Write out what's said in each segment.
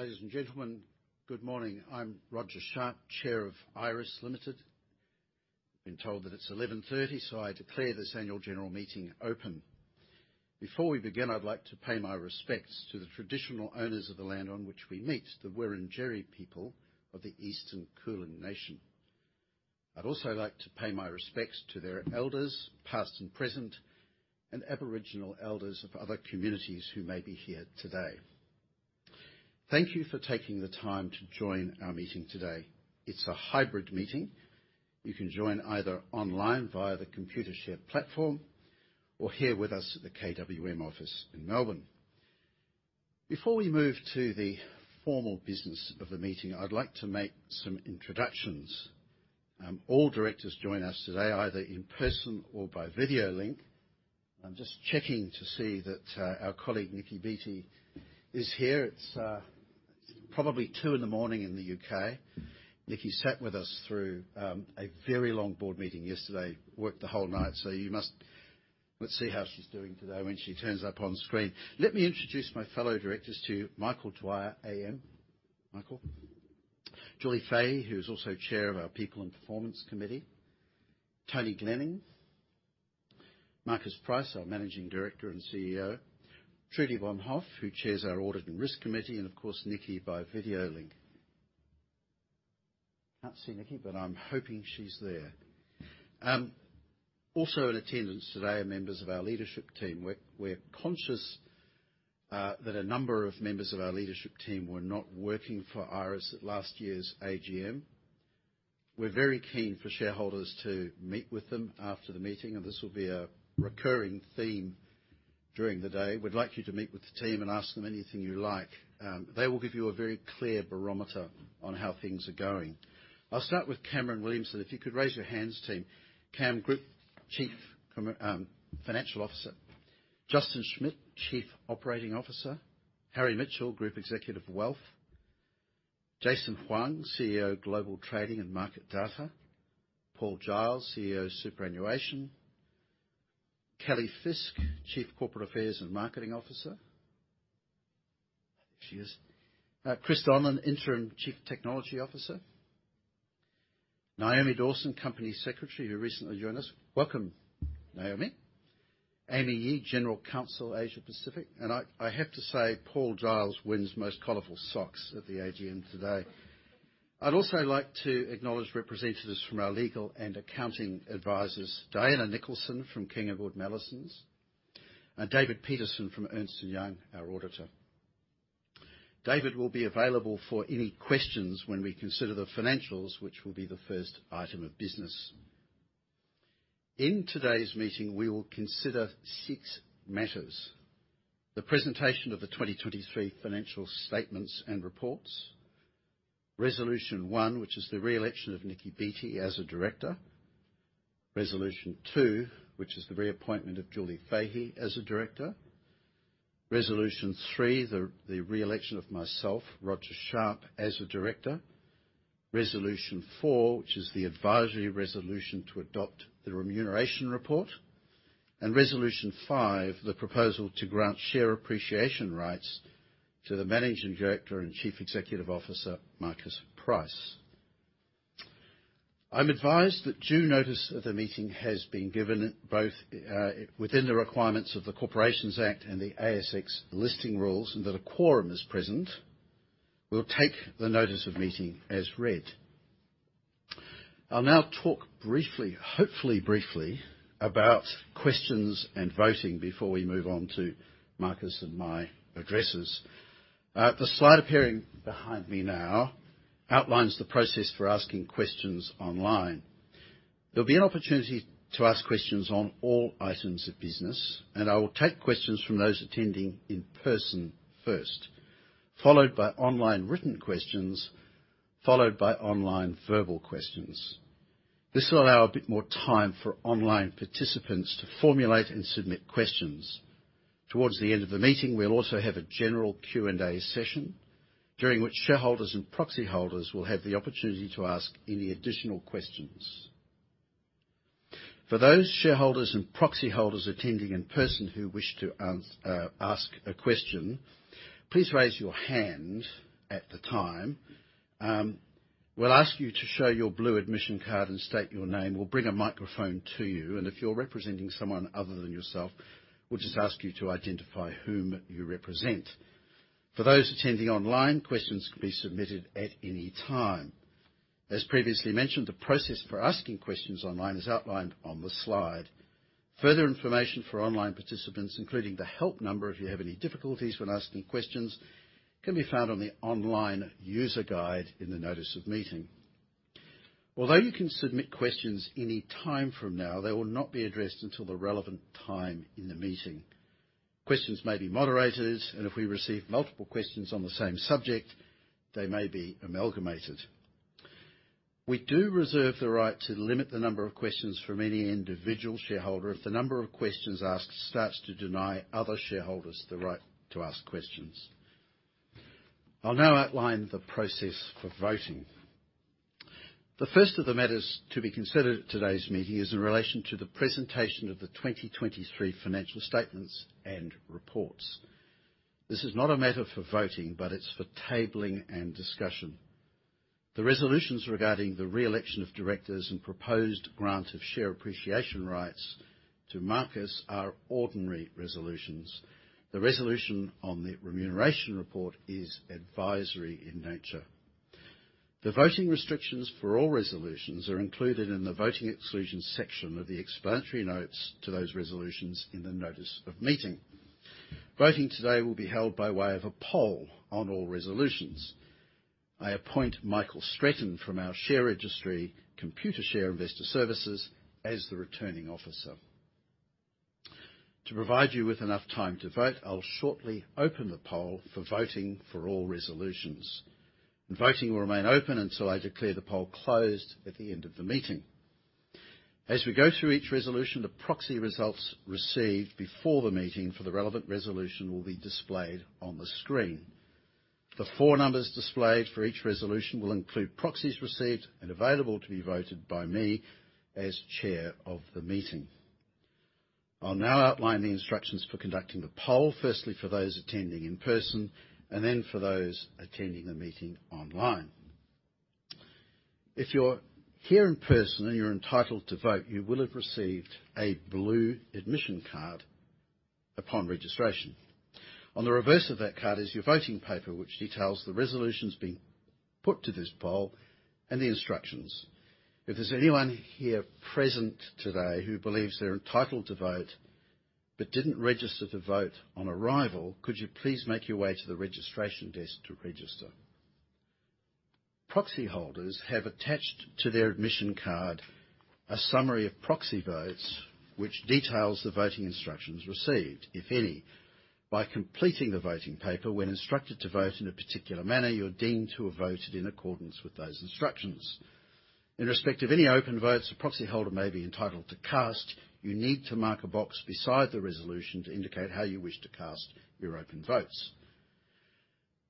Ladies and gentlemen, good morning. I'm Roger Sharp, Chair of Iress Limited. I've been told that it's 11:30 A.M., so I declare this annual general meeting open. Before we begin, I'd like to pay my respects to the traditional owners of the land on which we meet, the Wurundjeri people of the Eastern Kulin Nation. I'd also like to pay my respects to their elders, past and present, and Aboriginal elders of other communities who may be here today. Thank you for taking the time to join our meeting today. It's a hybrid meeting. You can join either online via the Computershare platform or here with us at the KWM office in Melbourne. Before we move to the formal business of the meeting, I'd like to make some introductions. All directors join us today, either in person or by video link. I'm just checking to see that our colleague, Niki Beattie, is here. It's probably two in the morning in the U.K. Niki sat with us through a very long board meeting yesterday. Worked the whole night, so you must, let's see how she's doing today when she turns up on screen. Let me introduce my fellow directors to you. Michael Dwyer AM. Michael. Julie Fahey, who is also chair of our People and Performance committee. Tony Glenning, Marcus Price, our Managing Director and CEO. Trudy Vonhoff, who chairs our Audit and Risk committee, and of course, Niki by video link. I can't see Niki, but I'm hoping she's there. Also in attendance today are members of our leadership team. We're conscious that a number of members of our leadership team were not working for Iress at last year's AGM. We're very keen for shareholders to meet with them after the meeting, and this will be a recurring theme during the day. We'd like you to meet with the team and ask them anything you like. They will give you a very clear barometer on how things are going. I'll start with Cameron Williamson. If you could raise your hands, team. Cam, Group Chief Financial Officer. Justin Schmitt, Chief Operating Officer. Harry Mitchell, Group Executive, Wealth. Jason Hoang, CEO, Global Trading and Market Data. Paul Giles, CEO, Superannuation. Kelly Fisk, Chief Corporate Affairs and Marketing Officer. There she is. Chris Donlon, Interim Chief Technology Officer. Naomi Dawson, Company Secretary, who recently joined us. Welcome, Naomi. Amy Yee, General Counsel, Asia Pacific, and I have to say, Paul Giles wins most colorful socks at the AGM today. I'd also like to acknowledge representatives from our legal and accounting advisors, Diana Nicholson from King & Wood Mallesons, and David Peterson from Ernst & Young, our auditor. David will be available for any questions when we consider the financials, which will be the first item of business. In today's meeting, we will consider six matters: the presentation of the 2023 financial statements and reports. Resolution one, which is the re-election of Niki Beattie as a director. Resolution two, which is the reappointment of Julie Fahey as a director. Resolution three, the re-election of myself, Roger Sharp, as a director. Resolution four, which is the advisory resolution to adopt the remuneration report. And resolution five, the proposal to grant share appreciation rights to the Managing Director and Chief Executive Officer, Marcus Price. I'm advised that due notice of the meeting has been given, both, within the requirements of the Corporations Act and the ASX Listing Rules, and that a quorum is present. We'll take the notice of meeting as read. I'll now talk briefly, hopefully briefly, about questions and voting before we move on to Marcus and my addresses. The slide appearing behind me now outlines the process for asking questions online. There'll be an opportunity to ask questions on all items of business, and I will take questions from those attending in person first, followed by online written questions, followed by online verbal questions. This will allow a bit more time for online participants to formulate and submit questions. Towards the end of the meeting, we'll also have a general Q&A session, during which shareholders and proxy holders will have the opportunity to ask any additional questions. For those shareholders and proxy holders attending in person who wish to ask a question, please raise your hand at the time. We'll ask you to show your blue admission card and state your name. We'll bring a microphone to you, and if you're representing someone other than yourself, we'll just ask you to identify whom you represent. For those attending online, questions can be submitted at any time. As previously mentioned, the process for asking questions online is outlined on the slide. Further information for online participants, including the help number if you have any difficulties when asking questions, can be found on the online user guide in the notice of meeting. Although you can submit questions any time from now, they will not be addressed until the relevant time in the meeting. Questions may be moderated, and if we receive multiple questions on the same subject, they may be amalgamated. We do reserve the right to limit the number of questions from any individual shareholder if the number of questions asked starts to deny other shareholders the right to ask questions. I'll now outline the process for voting. The first of the matters to be considered at today's meeting is in relation to the presentation of the 2023 financial statements and reports. This is not a matter for voting, but it's for tabling and discussion. The resolutions regarding the re-election of directors and proposed grant of share appreciation rights to Marcus are ordinary resolutions. The resolution on the remuneration report is advisory in nature. The voting restrictions for all resolutions are included in the voting exclusion section of the explanatory notes to those resolutions in the notice of meeting. Voting today will be held by way of a poll on all resolutions. I appoint Michael Stretton from our share registry, Computershare, as the Returning Officer. To provide you with enough time to vote, I'll shortly open the poll for voting for all resolutions. Voting will remain open until I declare the poll closed at the end of the meeting. As we go through each resolution, the proxy results received before the meeting for the relevant resolution will be displayed on the screen. The four numbers displayed for each resolution will include proxies received and available to be voted by me as chair of the meeting. I'll now outline the instructions for conducting the poll, firstly for those attending in person and then for those attending the meeting online. If you're here in person and you're entitled to vote, you will have received a blue admission card upon registration. On the reverse of that card is your voting paper, which details the resolutions being put to this poll and the instructions. If there's anyone here present today who believes they're entitled to vote but didn't register to vote on arrival, could you please make your way to the registration desk to register? Proxy holders have attached to their admission card a summary of proxy votes, which details the voting instructions received, if any. By completing the voting paper, when instructed to vote in a particular manner, you're deemed to have voted in accordance with those instructions. In respect of any open votes a proxy holder may be entitled to cast, you need to mark a box beside the resolution to indicate how you wish to cast your open votes.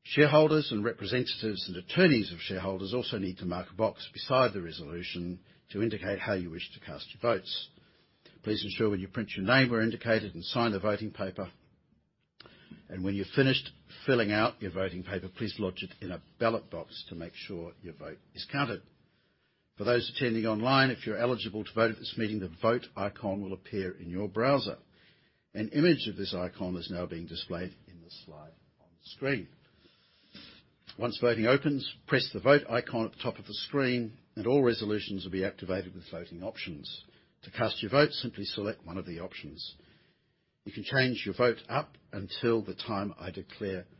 Shareholders and representatives and attorneys of shareholders also need to mark a box beside the resolution to indicate how you wish to cast your votes. Please ensure when you print, your name where indicated and sign the voting paper. When you're finished filling out your voting paper, please lodge it in a ballot box to make sure your vote is counted. For those attending online, if you're eligible to vote at this meeting, the Vote icon will appear in your browser. An image of this icon is now being displayed in the slide on the screen. Once voting opens, press the Vote icon at the top of the screen, and all resolutions will be activated with voting options. To cast your vote, simply select one of the options. You can change your vote up until the time I declare voting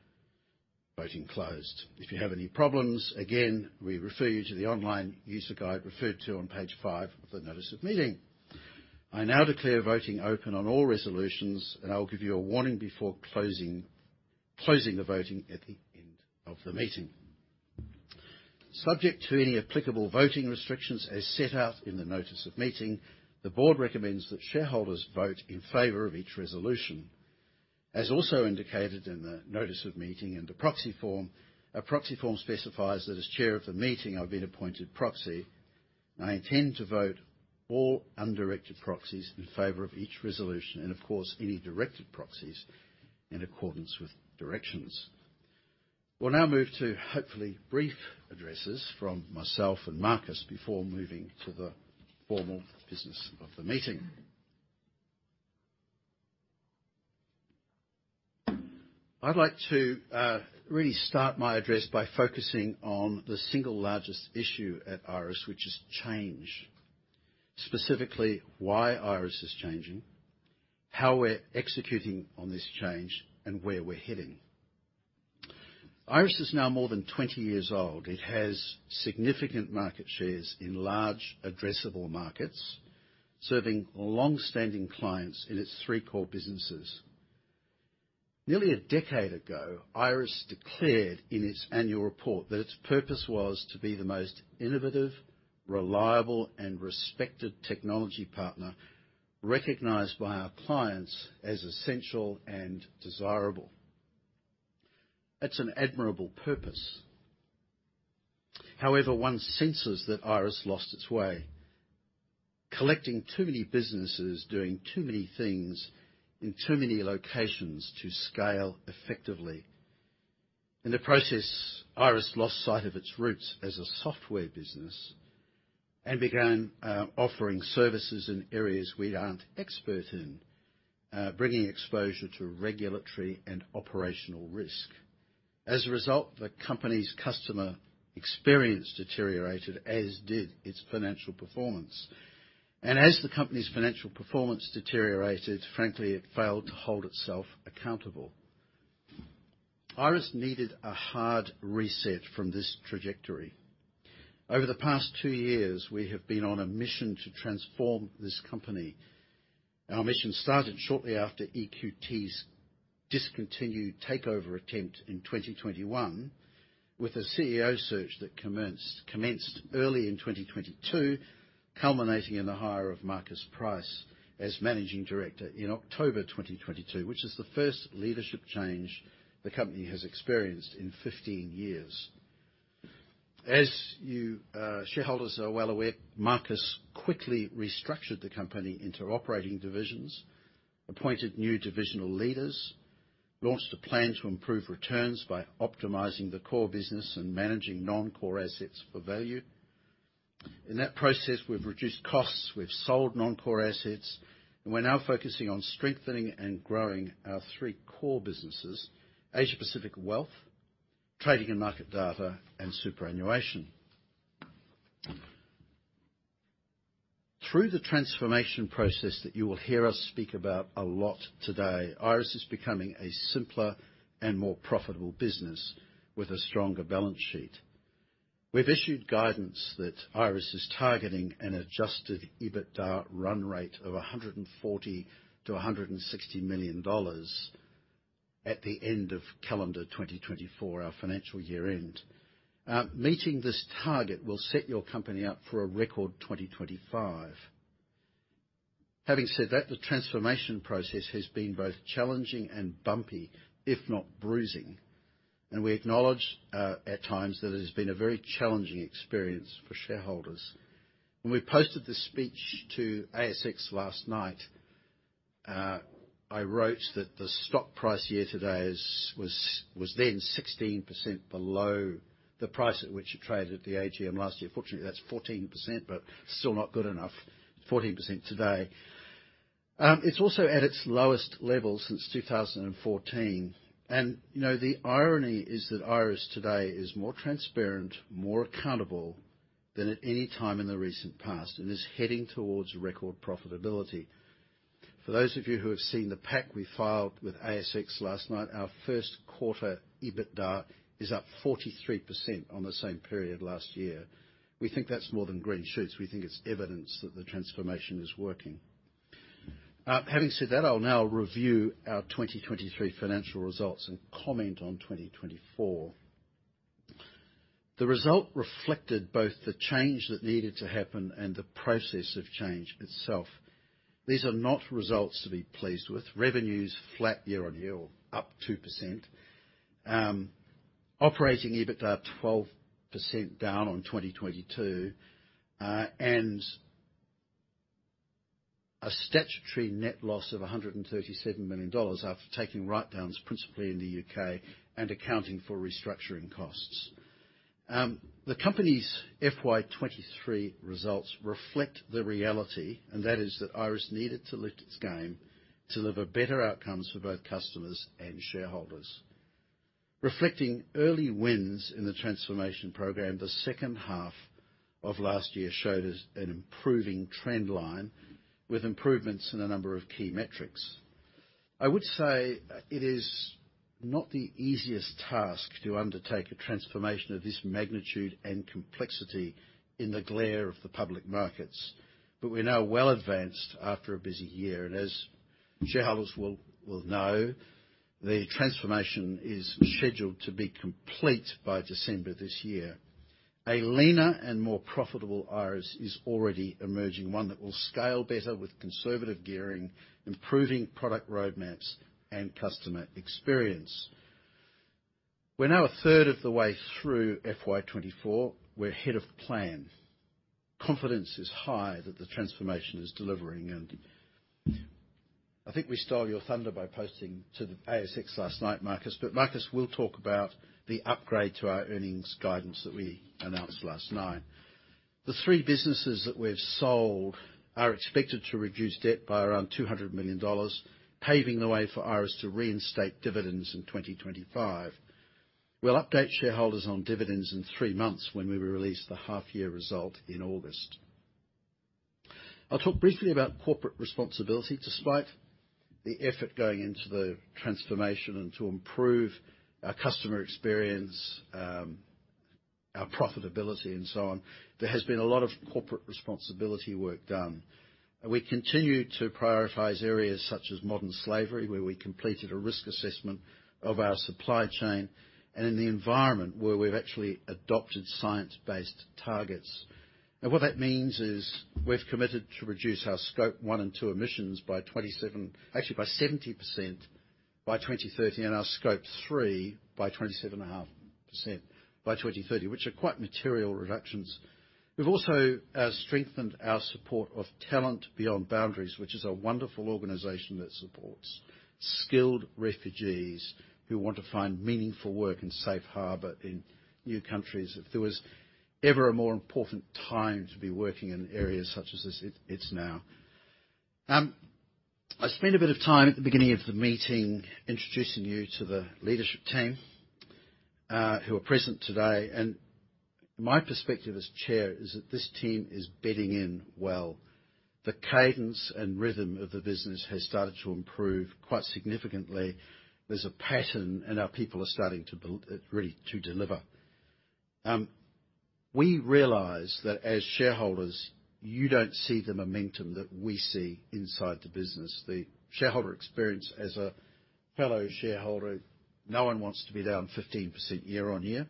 closed. If you have any problems, again, we refer you to the online user guide referred to on page five of the notice of meeting. I now declare voting open on all resolutions, and I will give you a warning before closing the voting at the end of the meeting. Subject to any applicable voting restrictions as set out in the notice of meeting, the board recommends that shareholders vote in favor of each resolution. As also indicated in the notice of meeting and the proxy form, a proxy form specifies that as chair of the meeting, I've been appointed proxy, and I intend to vote all undirected proxies in favor of each resolution and, of course, any directed proxies in accordance with directions. We'll now move to hopefully brief addresses from myself and Marcus before moving to the formal business of the meeting. I'd like to really start my address by focusing on the single largest issue at Iress, which is change. Specifically, why Iress is changing, how we're executing on this change, and where we're heading. Iress is now more than 20 years old. It has significant market shares in large addressable markets, serving longstanding clients in its three core businesses. Nearly a decade ago, Iress declared in its annual report that its purpose was to be the most innovative, reliable, and respected technology partner, recognized by our clients as essential and desirable. It's an admirable purpose. However, one senses that Iress lost its way, collecting too many businesses, doing too many things in too many locations to scale effectively. In the process, Iress lost sight of its roots as a software business and began offering services in areas we aren't expert in, bringing exposure to regulatory and operational risk. As a result, the company's customer experience deteriorated, as did its financial performance. As the company's financial performance deteriorated, frankly, it failed to hold itself accountable. Iress needed a hard reset from this trajectory. Over the past two years, we have been on a mission to transform this company. Our mission started shortly after EQT's discontinued takeover attempt in 2021, with a CEO search that commenced early in 2022, culminating in the hire of Marcus Price as Managing Director in October 2022, which is the first leadership change the company has experienced in 15 years. As you, shareholders are well aware, Marcus quickly restructured the company into operating divisions, appointed new divisional leaders, launched a plan to improve returns by optimizing the core business and managing non-core assets for value. In that process, we've reduced costs, we've sold non-core assets, and we're now focusing on strengthening and growing our three core businesses: Asia Pacific Wealth, Trading and Market Data, and Superannuation. Through the transformation process that you will hear us speak about a lot today, Iress is becoming a simpler and more profitable business with a stronger balance sheet. We've issued guidance that Iress is targeting an Adjusted EBITDA run rate of 140 million-160 million dollars at the end of calendar 2024, our financial year end. Meeting this target will set your company up for a record 2025. Having said that, the transformation process has been both challenging and bumpy, if not bruising, and we acknowledge at times that it has been a very challenging experience for shareholders. When we posted this speech to ASX last night, I wrote that the stock price year-to-date is, was, was then 16% below the price at which it traded at the AGM last year. Fortunately, that's 14%, but still not good enough, 14% today. It's also at its lowest level since 2014. And, you know, the irony is that Iress today is more transparent, more accountable than at any time in the recent past, and is heading towards record profitability. For those of you who have seen the pack we filed with ASX last night, our Q1 EBITDA is up 43% on the same period last year. We think that's more than green shoots. We think it's evidence that the transformation is working. Having said that, I'll now review our 2023 financial results and comment on 2024. The result reflected both the change that needed to happen and the process of change itself. These are not results to be pleased with. Revenue's flat year-on-year, or up 2%. Operating EBITDA, 12% down on 2022, and a statutory net loss of 137 million dollars after taking write-downs, principally in the U.K., and accounting for restructuring costs. The company's FY 2023 results reflect the reality, and that is that Iress needed to lift its game to deliver better outcomes for both customers and shareholders. Reflecting early wins in the transformation program, the H2 of last year showed us an improving trend line with improvements in a number of key metrics. I would say it is not the easiest task to undertake a transformation of this magnitude and complexity in the glare of the public markets. But we're now well advanced after a busy year, and as shareholders will know, the transformation is scheduled to be complete by December this year. A leaner and more profitable Iress is already emerging, one that will scale better with conservative gearing, improving product roadmaps and customer experience. We're now a third of the way through FY 2024. We're ahead of plan. Confidence is high that the transformation is delivering, and I think we stole your thunder by posting to the ASX last night, Marcus. But Marcus will talk about the upgrade to our earnings guidance that we announced last night. The three businesses that we've sold are expected to reduce debt by around 200 million dollars, paving the way for Iress to reinstate dividends in 2025. We'll update shareholders on dividends in three months when we release the half-year result in August. I'll talk briefly about corporate responsibility. Despite the effort going into the transformation and to improve our customer experience, our profitability, and so on, there has been a lot of corporate responsibility work done. And we continue to prioritize areas such as modern slavery, where we completed a risk assessment of our supply chain, and in the environment where we've actually adopted science-based targets. And what that means is we've committed to reduce our Scope one and two emissions by 27%... Actually, by 70% by 2030, and our Scope three by 27.5% by 2030, which are quite material reductions. We've also strengthened our support of Talent Beyond Boundaries, which is a wonderful organization that supports skilled refugees who want to find meaningful work and safe harbor in new countries. If there was ever a more important time to be working in areas such as this, it's now. I spent a bit of time at the beginning of the meeting introducing you to the leadership team who are present today, and my perspective as Chair is that this team is bedding in well. The cadence and rhythm of the business has started to improve quite significantly. There's a pattern, and our people are starting to build really to deliver. We realize that as shareholders, you don't see the momentum that we see inside the business. The shareholder experience as a fellow shareholder, no one wants to be down 15% year-on-year.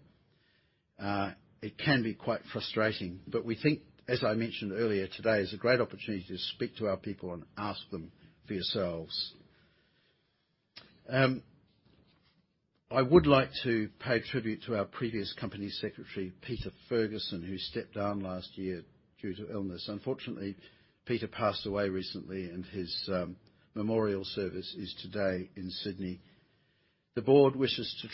It can be quite frustrating, but we think, as I mentioned earlier, today is a great opportunity to speak to our people and ask them for yourselves. I would like to pay tribute to our previous company secretary, Peter Ferguson, who stepped down last year due to illness. Unfortunately, Peter passed away recently and his memorial service is today in Sydney. The board wishes to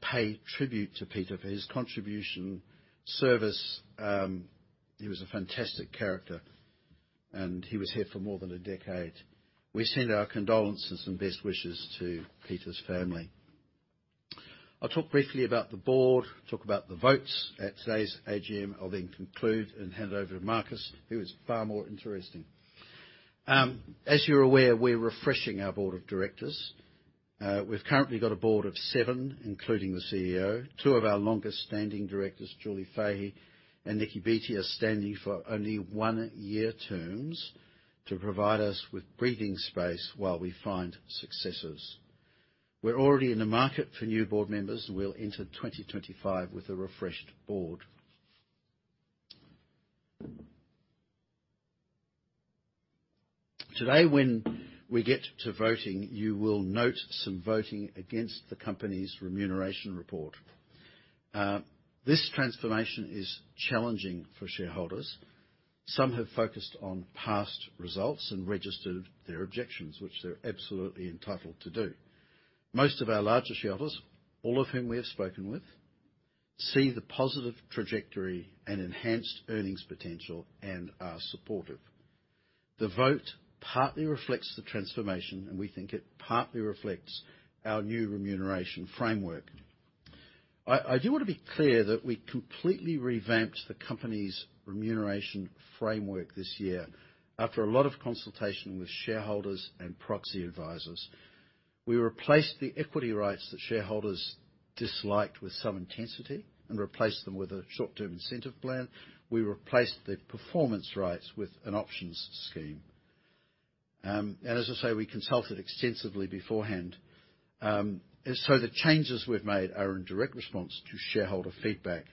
pay tribute to Peter for his contribution, service. He was a fantastic character, and he was here for more than a decade. We send our condolences and best wishes to Peter's family. I'll talk briefly about the board, talk about the votes at today's AGM. I'll then conclude and hand it over to Marcus, who is far more interesting. As you're aware, we're refreshing our board of directors. We've currently got a board of seven, including the CEO. Two of our longest-standing directors, Julie Fahey and Niki Beattie, are standing for only one-year terms to provide us with breathing space while we find successors. We're already in the market for new board members, and we'll enter 2025 with a refreshed board. Today, when we get to voting, you will note some voting against the company's remuneration report. This transformation is challenging for shareholders. Some have focused on past results and registered their objections, which they're absolutely entitled to do. Most of our larger shareholders, all of whom we have spoken with, see the positive trajectory and enhanced earnings potential and are supportive. The vote partly reflects the transformation, and we think it partly reflects our new remuneration framework. I do want to be clear that we completely revamped the company's remuneration framework this year after a lot of consultation with shareholders and proxy advisors. We replaced the equity rights that shareholders disliked with some intensity and replaced them with a short-term incentive plan. We replaced the performance rights with an options scheme. And as I say, we consulted extensively beforehand. And so the changes we've made are in direct response to shareholder feedback.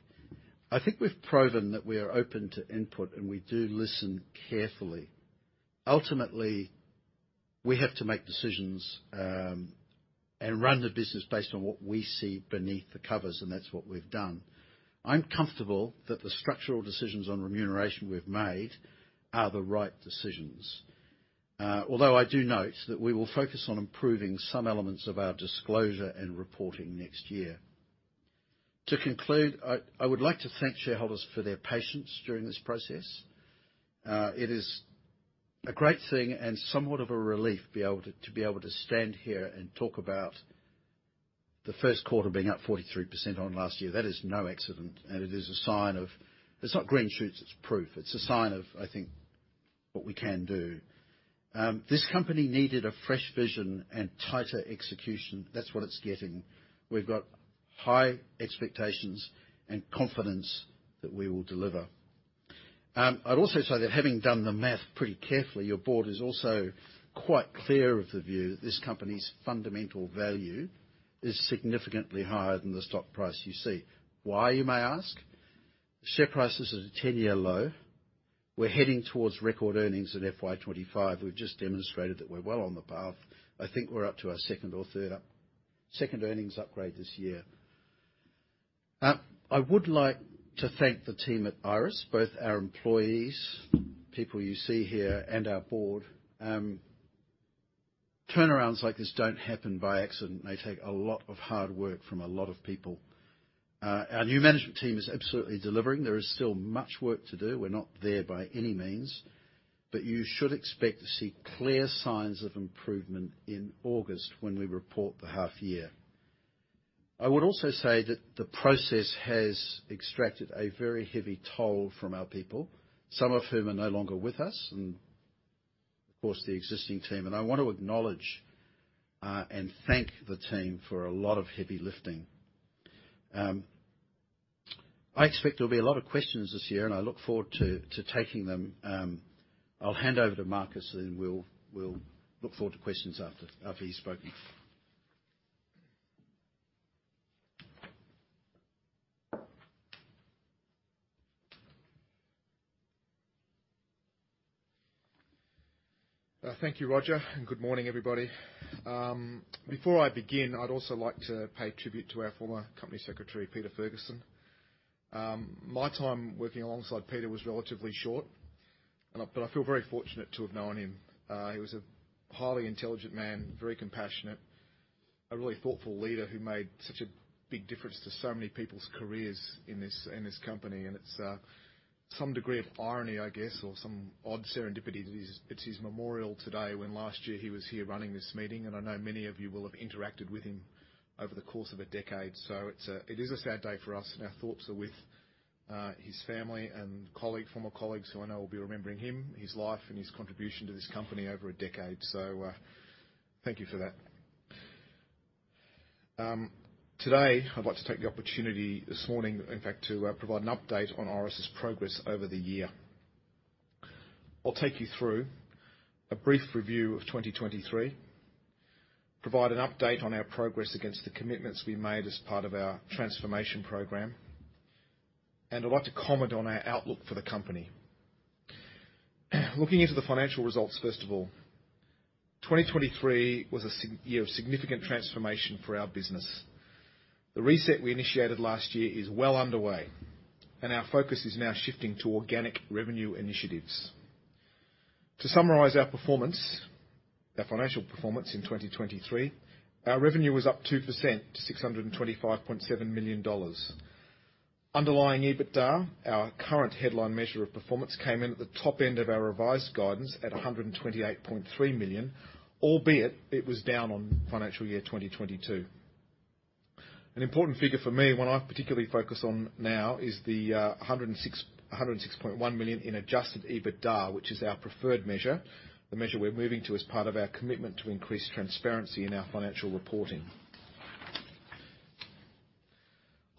I think we've proven that we are open to input, and we do listen carefully. Ultimately, we have to make decisions, and run the business based on what we see beneath the covers, and that's what we've done. I'm comfortable that the structural decisions on remuneration we've made are the right decisions. Although I do note that we will focus on improving some elements of our disclosure and reporting next year. To conclude, I would like to thank shareholders for their patience during this process. It is a great thing and somewhat of a relief to be able to stand here and talk about the Q1 being up 43% on last year. That is no accident, and it is a sign of... It's not green shoots, it's proof. It's a sign of, I think, what we can do. This company needed a fresh vision and tighter execution. That's what it's getting. We've got high expectations and confidence that we will deliver. I'd also say that having done the math pretty carefully, your board is also quite clear of the view that this company's fundamental value is significantly higher than the stock price you see. Why, you may ask? The share price is at a 10-year low. We're heading towards record earnings in FY 2025. We've just demonstrated that we're well on the path. I think we're up to our second or third up, second earnings upgrade this year. I would like to thank the team at Iress, both our employees, people you see here, and our board. Turnarounds like this don't happen by accident, and they take a lot of hard work from a lot of people. Our new management team is absolutely delivering. There is still much work to do. We're not there by any means, but you should expect to see clear signs of improvement in August when we report the half year. I would also say that the process has extracted a very heavy toll from our people, some of whom are no longer with us, and of course, the existing team, and I want to acknowledge and thank the team for a lot of heavy lifting. I expect there'll be a lot of questions this year, and I look forward to taking them. I'll hand over to Marcus, and we'll look forward to questions after he's spoken. Thank you, Roger, and good morning, everybody. Before I begin, I'd also like to pay tribute to our former company secretary, Peter Ferguson. My time working alongside Peter was relatively short, but I feel very fortunate to have known him. He was a highly intelligent man, very compassionate, a really thoughtful leader who made such a big difference to so many people's careers in this company. And it's some degree of irony, I guess, or some odd serendipity that it's his memorial today, when last year he was here running this meeting, and I know many of you will have interacted with him over the course of a decade. So it is a sad day for us, and our thoughts are with his family and colleagues, former colleagues, who I know will be remembering him, his life, and his contribution to this company over a decade. So, thank you for that. Today, I'd like to take the opportunity this morning, in fact, to provide an update on Iress's progress over the year. I'll take you through a brief review of 2023, provide an update on our progress against the commitments we made as part of our transformation program, and I'd like to comment on our outlook for the company. Looking into the financial results first of all, 2023 was a year of significant transformation for our business. The reset we initiated last year is well underway, and our focus is now shifting to organic revenue initiatives. To summarize our performance, our financial performance in 2023, our revenue was up 2% to 625.7 million dollars. Underlying EBITDA, our current headline measure of performance, came in at the top end of our revised guidance at 128.3 million, albeit it was down on financial year 2022. An important figure for me, one I've particularly focused on now, is a 106.1 million in adjusted EBITDA, which is our preferred measure, the measure we're moving to as part of our commitment to increase transparency in our financial reporting.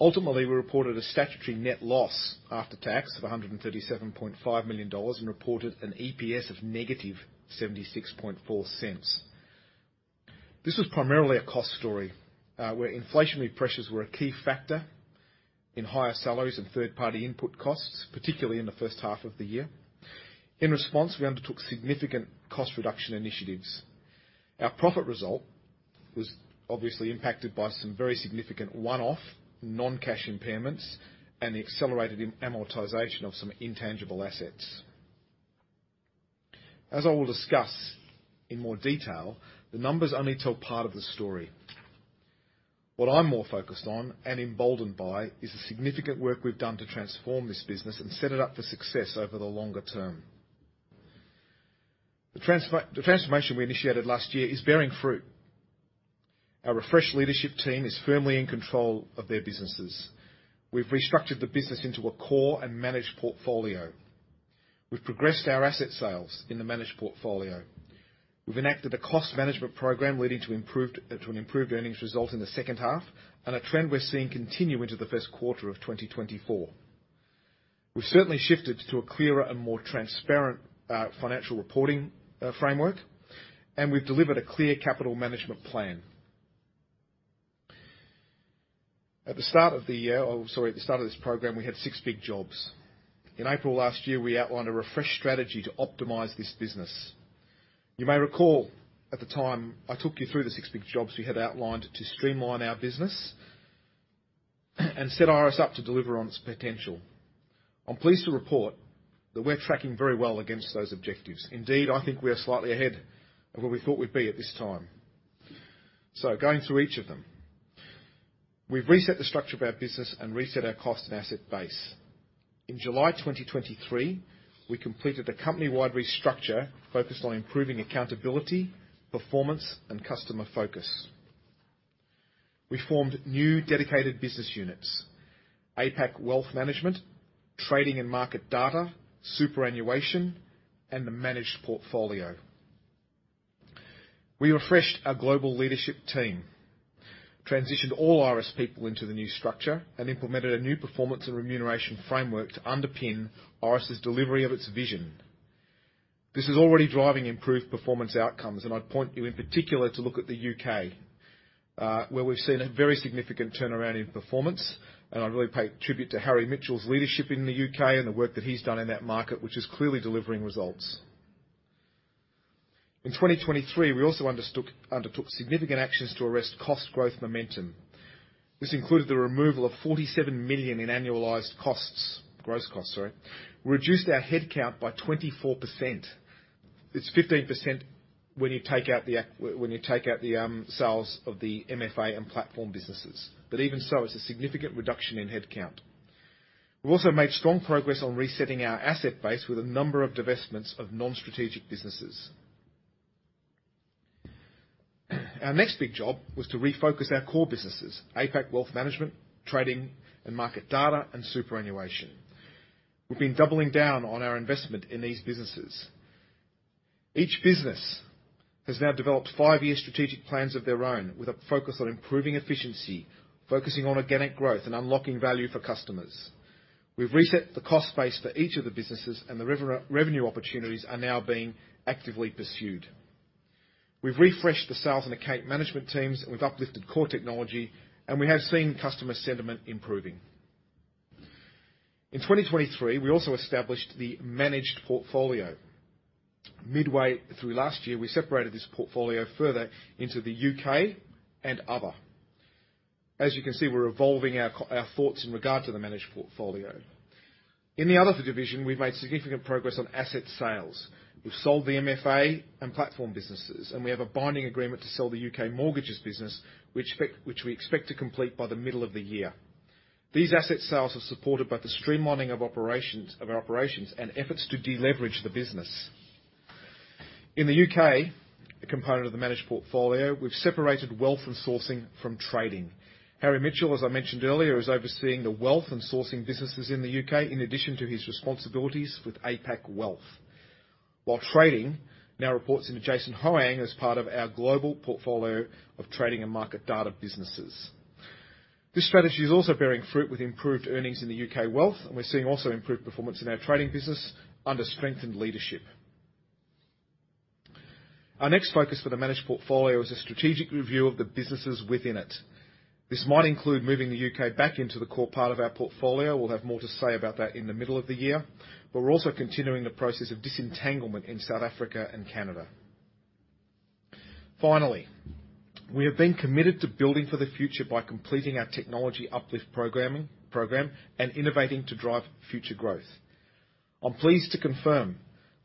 Ultimately, we reported a statutory net loss after tax of 137.5 million dollars, and reported an EPS of negative 0.764. This was primarily a cost story, where inflationary pressures were a key factor in higher salaries and third-party input costs, particularly in the H1 of the year. In response, we undertook significant cost reduction initiatives. Our profit result was obviously impacted by some very significant one-off, non-cash impairments and the accelerated amortization of some intangible assets. As I will discuss in more detail, the numbers only tell part of the story. What I'm more focused on, and emboldened by, is the significant work we've done to transform this business and set it up for success over the longer term. The transformation we initiated last year is bearing fruit. Our refreshed leadership team is firmly in control of their businesses. We've restructured the business into a core and managed portfolio. We've progressed our asset sales in the managed portfolio. We've enacted a cost management program leading to improved, to an improved earnings result in the H2, and a trend we're seeing continue into the Q1 of 2024. We've certainly shifted to a clearer and more transparent, financial reporting, framework, and we've delivered a clear capital management plan. At the start of the year, or sorry, at the start of this program, we had six big jobs. In April last year, we outlined a refreshed strategy to optimize this business. You may recall, at the time, I took you through the six big jobs we had outlined to streamline our business, and set Iress up to deliver on its potential. I'm pleased to report that we're tracking very well against those objectives. Indeed, I think we are slightly ahead of where we thought we'd be at this time. So going through each of them. We've reset the structure of our business and reset our cost and asset base. In July 2023, we completed a company-wide restructure focused on improving accountability, performance, and customer focus. We formed new dedicated business units, APAC Wealth Management, Trading and Market Data, Superannuation, and the Managed Portfolio. We refreshed our global leadership team, transitioned all Iress people into the new structure, and implemented a new performance and remuneration framework to underpin Iress's delivery of its vision. This is already driving improved performance outcomes, and I'd point you in particular to look at the U.K., where we've seen a very significant turnaround in performance, and I really pay tribute to Harry Mitchell's leadership in the U.K. and the work that he's done in that market, which is clearly delivering results. In 2023, we also undertook significant actions to arrest cost growth momentum. This included the removal of 47 million in annualized costs, gross costs, sorry. Reduced our headcount by 24%. It's 15% when you take out the sales of the MFA and platform businesses, but even so, it's a significant reduction in headcount. We've also made strong progress on resetting our asset base with a number of divestments of non-strategic businesses. Our next big job was to refocus our core businesses, APAC Wealth Management, Trading and Market Data, and Superannuation. We've been doubling down on our investment in these businesses. Each business has now developed five-year strategic plans of their own, with a focus on improving efficiency, focusing on organic growth, and unlocking value for customers. We've reset the cost base for each of the businesses, and the revenue opportunities are now being actively pursued. We've refreshed the sales and account management teams, and we've uplifted core technology, and we have seen customer sentiment improving. In 2023, we also established the Managed Portfolio. Midway through last year, we separated this portfolio further into the U.K. and other. As you can see, we're evolving our our thoughts in regard to the Managed Portfolio. In the other division, we've made significant progress on asset sales. We've sold the MFA and platform businesses, and we have a binding agreement to sell the U.K. mortgages business, which which we expect to complete by the middle of the year. These asset sales are supported by the streamlining of operations, of our operations and efforts to deleverage the business. In the U.K., a component of the managed portfolio, we've separated wealth and sourcing from trading.... Harry Mitchell, as I mentioned earlier, is overseeing the wealth and sourcing businesses in the U.K., in addition to his responsibilities with APAC Wealth. While trading now reports into Jason Hoang as part of our global portfolio of trading and market data businesses. This strategy is also bearing fruit with improved earnings in the U.K. wealth, and we're seeing also improved performance in our trading business under strengthened leadership. Our next focus for the managed portfolio is a strategic review of the businesses within it. This might include moving the U.K. back into the core part of our portfolio. We'll have more to say about that in the middle of the year. But we're also continuing the process of disentanglement in South Africa and Canada. Finally, we have been committed to building for the future by completing our technology uplift program and innovating to drive future growth. I'm pleased to confirm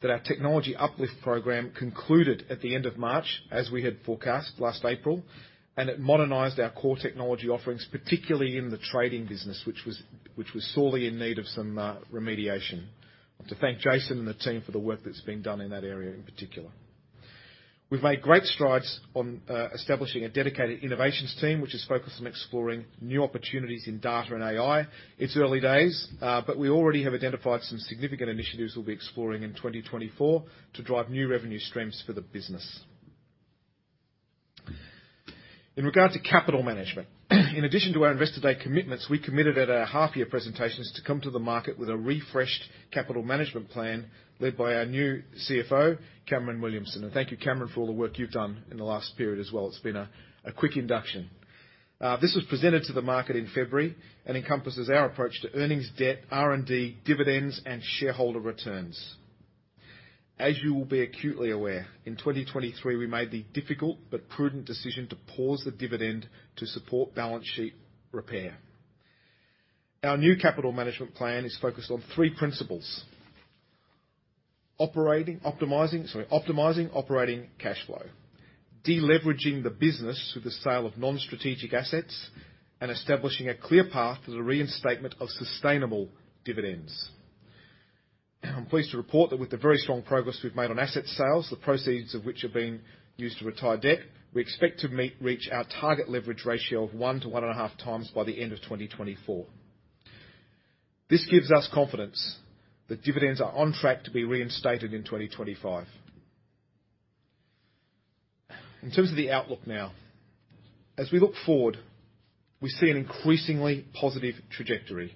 that our technology uplift program concluded at the end of March, as we had forecast last April, and it modernized our core technology offerings, particularly in the trading business, which was, which was sorely in need of some remediation. I want to thank Jason and the team for the work that's been done in that area in particular. We've made great strides on establishing a dedicated innovations team, which is focused on exploring new opportunities in data and AI. It's early days, but we already have identified some significant initiatives we'll be exploring in 2024 to drive new revenue streams for the business. In regard to capital management, in addition to our Investor Day commitments, we committed at our half-year presentations to come to the market with a refreshed capital management plan, led by our new CFO, Cameron Williamson. Thank you, Cameron, for all the work you've done in the last period as well. It's been a quick induction. This was presented to the market in February and encompasses our approach to earnings, debt, R&D, dividends, and shareholder returns. As you will be acutely aware, in 2023, we made the difficult but prudent decision to pause the dividend to support balance sheet repair. Our new capital management plan is focused on three principles: operating, optimizing, sorry, optimizing operating cash flow, de-leveraging the business through the sale of non-strategic assets, and establishing a clear path to the reinstatement of sustainable dividends. I'm pleased to report that with the very strong progress we've made on asset sales, the proceeds of which are being used to retire debt, we expect to reach our target leverage ratio of 1x-1.5x by the end of 2024. This gives us confidence that dividends are on track to be reinstated in 2025. In terms of the outlook now, as we look forward, we see an increasingly positive trajectory.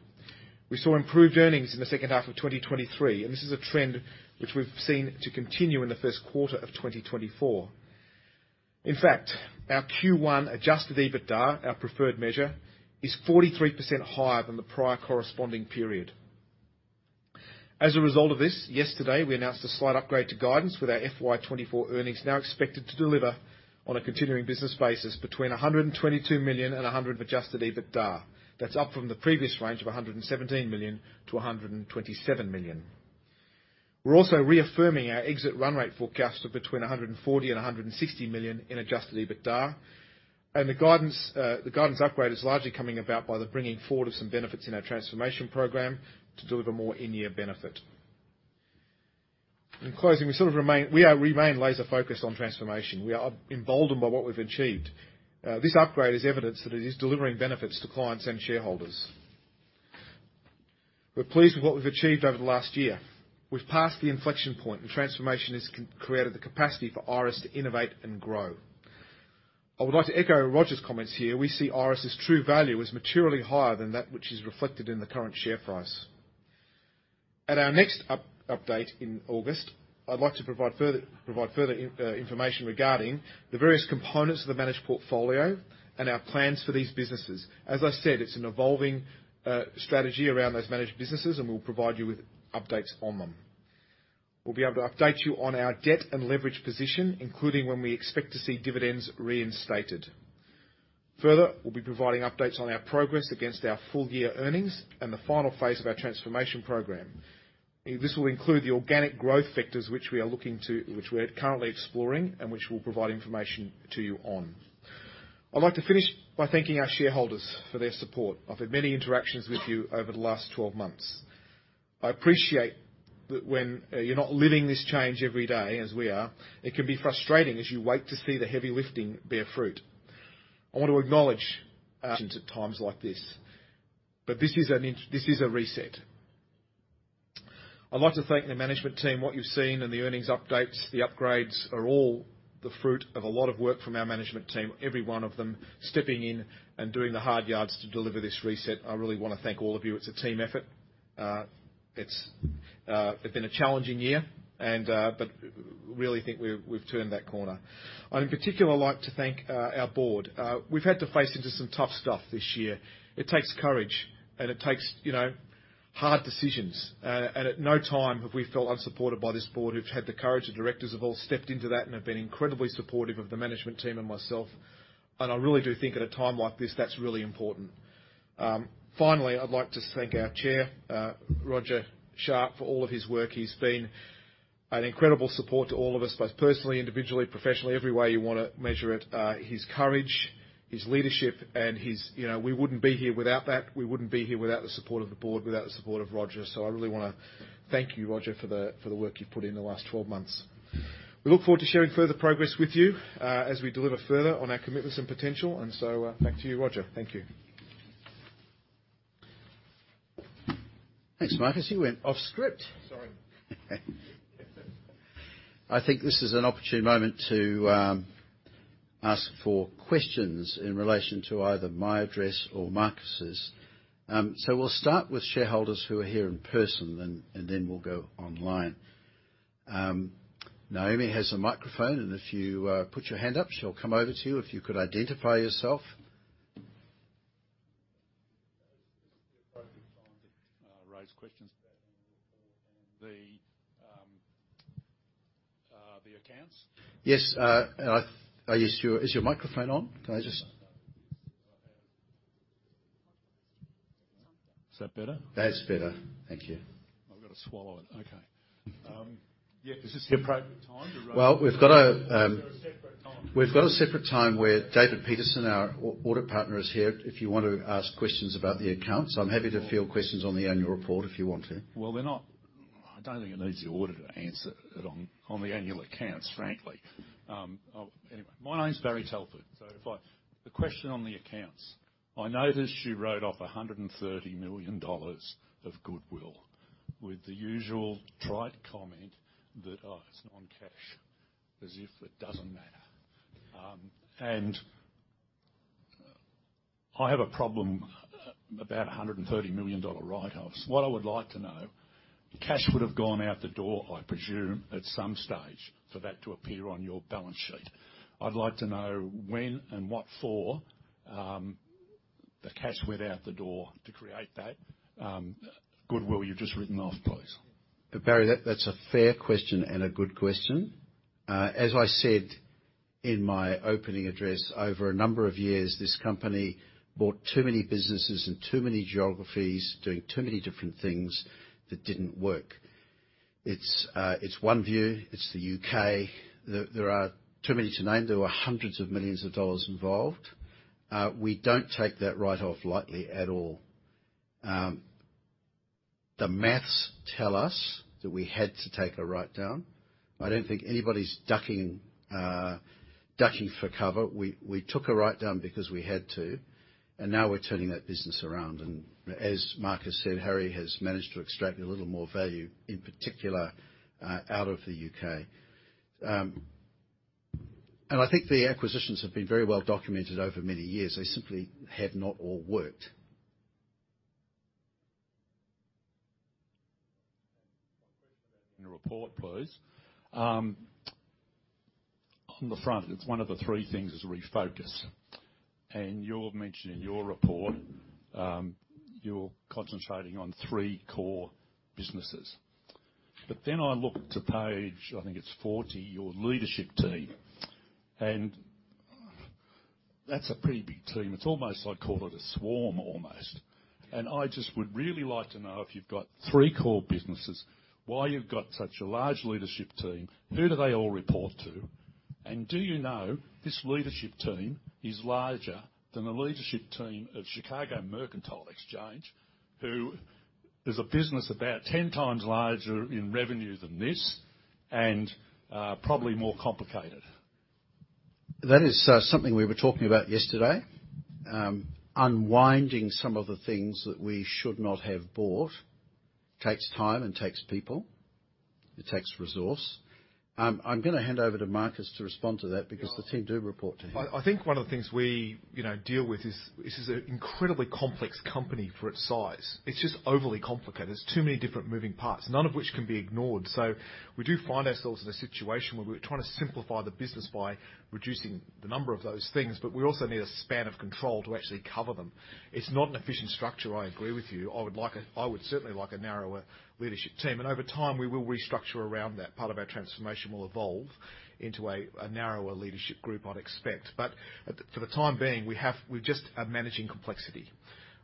We saw improved earnings in the H2 of 2023, and this is a trend which we've seen to continue in the Q1 of 2024. In fact, our Q1 Adjusted EBITDA, our preferred measure, is 43% higher than the prior corresponding period. As a result of this, yesterday, we announced a slight upgrade to guidance, with our FY 2024 earnings now expected to deliver on a continuing business basis between 122 million and 100 million in adjusted EBITDA. That's up from the previous range of 117 million to a 127 million. We're also reaffirming our exit run rate forecast of between 140 million and 160 million in adjusted EBITDA, and the guidance, the guidance upgrade is largely coming about by the bringing forward of some benefits in our transformation program to deliver more in-year benefit. In closing, we sort of remain, we are remain laser focused on transformation. We are emboldened by what we've achieved. This upgrade is evidence that it is delivering benefits to clients and shareholders. We're pleased with what we've achieved over the last year. We've passed the inflection point, and transformation has created the capacity for Iress to innovate and grow. I would like to echo Roger's comments here. We see Iress's true value as materially higher than that which is reflected in the current share price. At our next update in August, I'd like to provide further information regarding the various components of the managed portfolio and our plans for these businesses. As I said, it's an evolving strategy around those managed businesses, and we'll provide you with updates on them. We'll be able to update you on our debt and leverage position, including when we expect to see dividends reinstated. Further, we'll be providing updates on our progress against our full year earnings and the final phase of our transformation program. This will include the organic growth sectors, which we are looking to, which we're currently exploring and which we'll provide information to you on. I'd like to finish by thanking our shareholders for their support. I've had many interactions with you over the last 12 months. I appreciate that when you're not living this change every day as we are, it can be frustrating as you wait to see the heavy lifting bear fruit. I want to acknowledge... at times like this, but this is a reset. I'd like to thank the management team. What you've seen in the earnings updates, the upgrades, are all the fruit of a lot of work from our management team, every one of them, stepping in and doing the hard yards to deliver this reset. I really wanna thank all of you. It's a team effort. It's been a challenging year and, but really think we've turned that corner. I'd, in particular, like to thank our board. We've had to face into some tough stuff this year. It takes courage, and it takes, you know, hard decisions. And at no time have we felt unsupported by this board, who've had the courage. The directors have all stepped into that and have been incredibly supportive of the management team and myself, and I really do think at a time like this, that's really important. Finally, I'd like to thank our Chair, Roger Sharp, for all of his work. He's been an incredible support to all of us, both personally, individually, professionally, every way you wanna measure it. His courage, his leadership, and his, you know, we wouldn't be here without that. We wouldn't be here without the support of the board, without the support of Roger. So I really wanna thank you, Roger, for the, for the work you've put in the last 12 months. We look forward to sharing further progress with you, as we deliver further on our commitments and potential. And so, back to you, Roger. Thank you.... Thanks, Marcus. You went off script! Sorry. I think this is an opportune moment to ask for questions in relation to either my address or Marcus's. So we'll start with shareholders who are here in person, and then we'll go online. Naomi has a microphone, and if you put your hand up, she'll come over to you. If you could identify yourself. Is this the appropriate time to raise questions about the annual report and the accounts? Yes, and are you, Is your microphone on? Can I just Is that better? That's better. Thank you. I've got to swallow it. Okay. Yeah, is this the appropriate time to Well, we've got a Is there a separate time? We've got a separate time where David Peterson, our audit partner, is here if you want to ask questions about the accounts. I'm happy to field questions on the annual report, if you want to. Well, they're not... I don't think it needs the auditor to answer it on the annual accounts, frankly. Anyway, my name's Barry Telford. So if I-- The question on the accounts: I noticed you wrote off 130 million dollars of goodwill with the usual trite comment that, "Oh, it's non-cash," as if it doesn't matter. And I have a problem about 130 million dollar write-offs. What I would like to know, cash would have gone out the door, I presume, at some stage, for that to appear on your balance sheet. I'd like to know when and what for the cash went out the door to create that goodwill you've just written off, please. Barry, that, that's a fair question and a good question. As I said in my opening address, over a number of years, this company bought too many businesses in too many geographies, doing too many different things that didn't work. It's, it's OneVue, it's the U.K.. There are too many to name. There were hundreds of millions of dollars involved. We don't take that write-off lightly at all. The math tells us that we had to take a write-down. I don't think anybody's ducking, ducking for cover. We took a write-down because we had to, and now we're turning that business around. And as Marcus said, Harry has managed to extract a little more value, in particular, out of the U.K.. And I think the acquisitions have been very well documented over many years. They simply have not all worked. One question about the annual report, please. On the front, it's one of the three things is refocus, and you'll mention in your report, you're concentrating on three core businesses. But then I look to page, I think it's 40, your leadership team, and that's a pretty big team. It's almost, I'd call it a swarm almost. And I just would really like to know, if you've got three core businesses, why you've got such a large leadership team? Who do they all report to? And do you know this leadership team is larger than the leadership team of Chicago Mercantile Exchange, who is a business about 10 times larger in revenue than this and, probably more complicated? That is, something we were talking about yesterday. Unwinding some of the things that we should not have bought takes time and takes people. It takes resource. I'm gonna hand over to Marcus to respond to that, because the team do report to him. I think one of the things we, you know, deal with is this is an incredibly complex company for its size. It's just overly complicated. There's too many different moving parts, none of which can be ignored. So we do find ourselves in a situation where we're trying to simplify the business by reducing the number of those things, but we also need a span of control to actually cover them. It's not an efficient structure, I agree with you. I would like - I would certainly like a narrower leadership team, and over time, we will restructure around that. Part of our transformation will evolve into a narrower leadership group, I'd expect. But for the time being, we have, we just are managing complexity.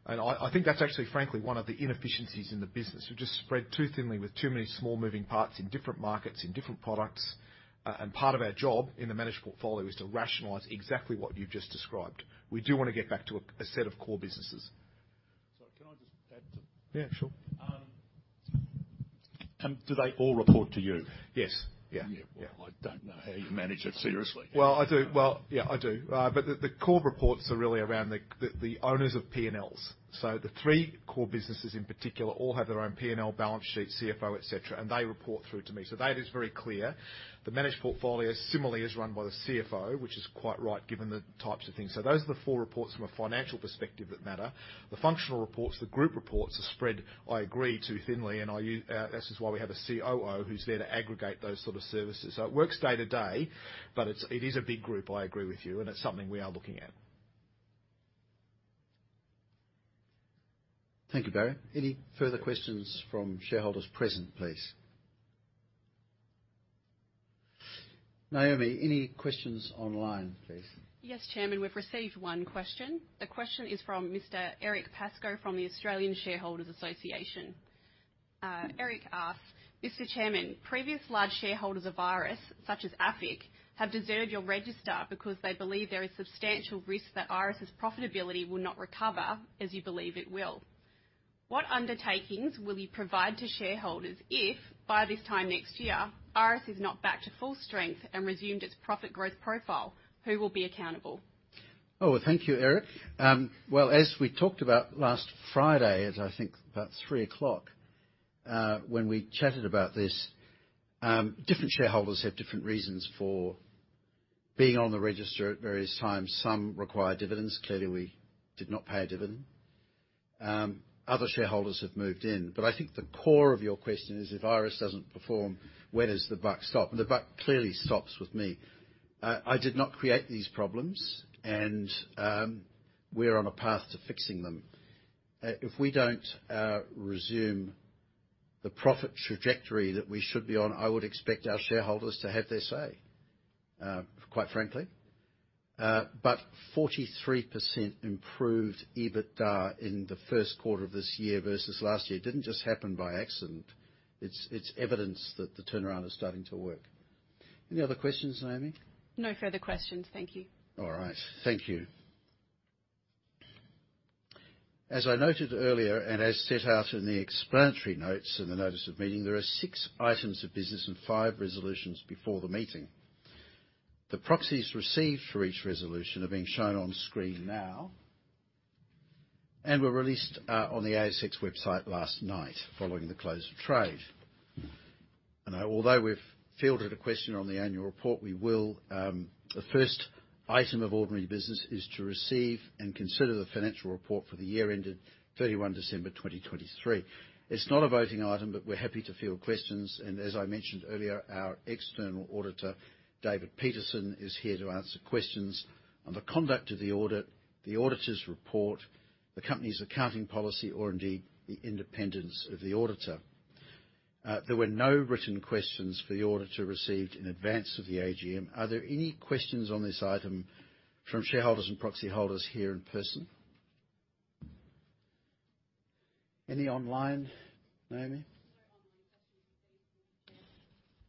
And I think that's actually, frankly, one of the inefficiencies in the business. We're just spread too thinly with too many small moving parts in different markets, in different products. Part of our job in the managed portfolio is to rationalize exactly what you've just described. We do want to get back to a set of core businesses. Sorry, can I just add to Yeah, sure. And do they all report to you? Yes. Yeah. Yeah. Well, I don't know how you manage it, seriously. Well, I do. Well, yeah, I do. But the core reports are really around the owners of P&Ls. So the three core businesses in particular all have their own P&L balance sheet, CFO, et cetera, and they report through to me, so that is very clear. The managed portfolio similarly is run by the CFO, which is quite right, given the types of things. So those are the four reports from a financial perspective that matter. The functional reports, the group reports, are spread, I agree, too thinly, and I, this is why we have a COO who's there to aggregate those sort of services. So it works day to day, but it is a big group, I agree with you, and it's something we are looking at. Thank you, Barry. Any further questions from shareholders present, please? Naomi, any questions online, please? Yes, Chairman, we've received one question. The question is from Mr. Eric Pascoe from the Australian Shareholders' Association. Eric asks: Mr. Chairman, previous large shareholders of Iress, such as APAC, have deserted your register because they believe there is substantial risk that Iress's profitability will not recover, as you believe it will. What undertakings will you provide to shareholders if, by this time next year, Iress is not back to full strength and resumed its profit growth profile? Who will be accountable? Oh, well, thank you, Eric. Well, as we talked about last Friday, as I think about 3:00 P.M. when we chatted about this, different shareholders have different reasons for being on the register at various times. Some require dividends. Clearly, we did not pay a dividend. Other shareholders have moved in. But I think the core of your question is, if Iress doesn't perform, where does the buck stop? And the buck clearly stops with me. I did not create these problems, and we're on a path to fixing them. If we don't resume the profit trajectory that we should be on, I would expect our shareholders to have their say, quite frankly. But 43% improved EBITDA in the Q1 of this year versus last year didn't just happen by accident. It's evidence that the turnaround is starting to work. Any other questions, Naomi? No further questions. Thank you. All right. Thank you. As I noted earlier, and as set out in the explanatory notes and the notice of meeting, there are six items of business and five resolutions before the meeting. The proxies received for each resolution are being shown on screen now, and were released on the ASX website last night following the close of trade. Although we've fielded a question on the annual report, we will. The first item of ordinary business is to receive and consider the financial report for the year ended 31 December 2023. It's not a voting item, but we're happy to field questions, and as I mentioned earlier, our external auditor, David Peterson, is here to answer questions on the conduct of the audit, the auditor's report, the company's accounting policy, or indeed, the independence of the auditor. There were no written questions for the auditor received in advance of the AGM. Are there any questions on this item from shareholders and proxy holders here in person? Any online, Naomi? No online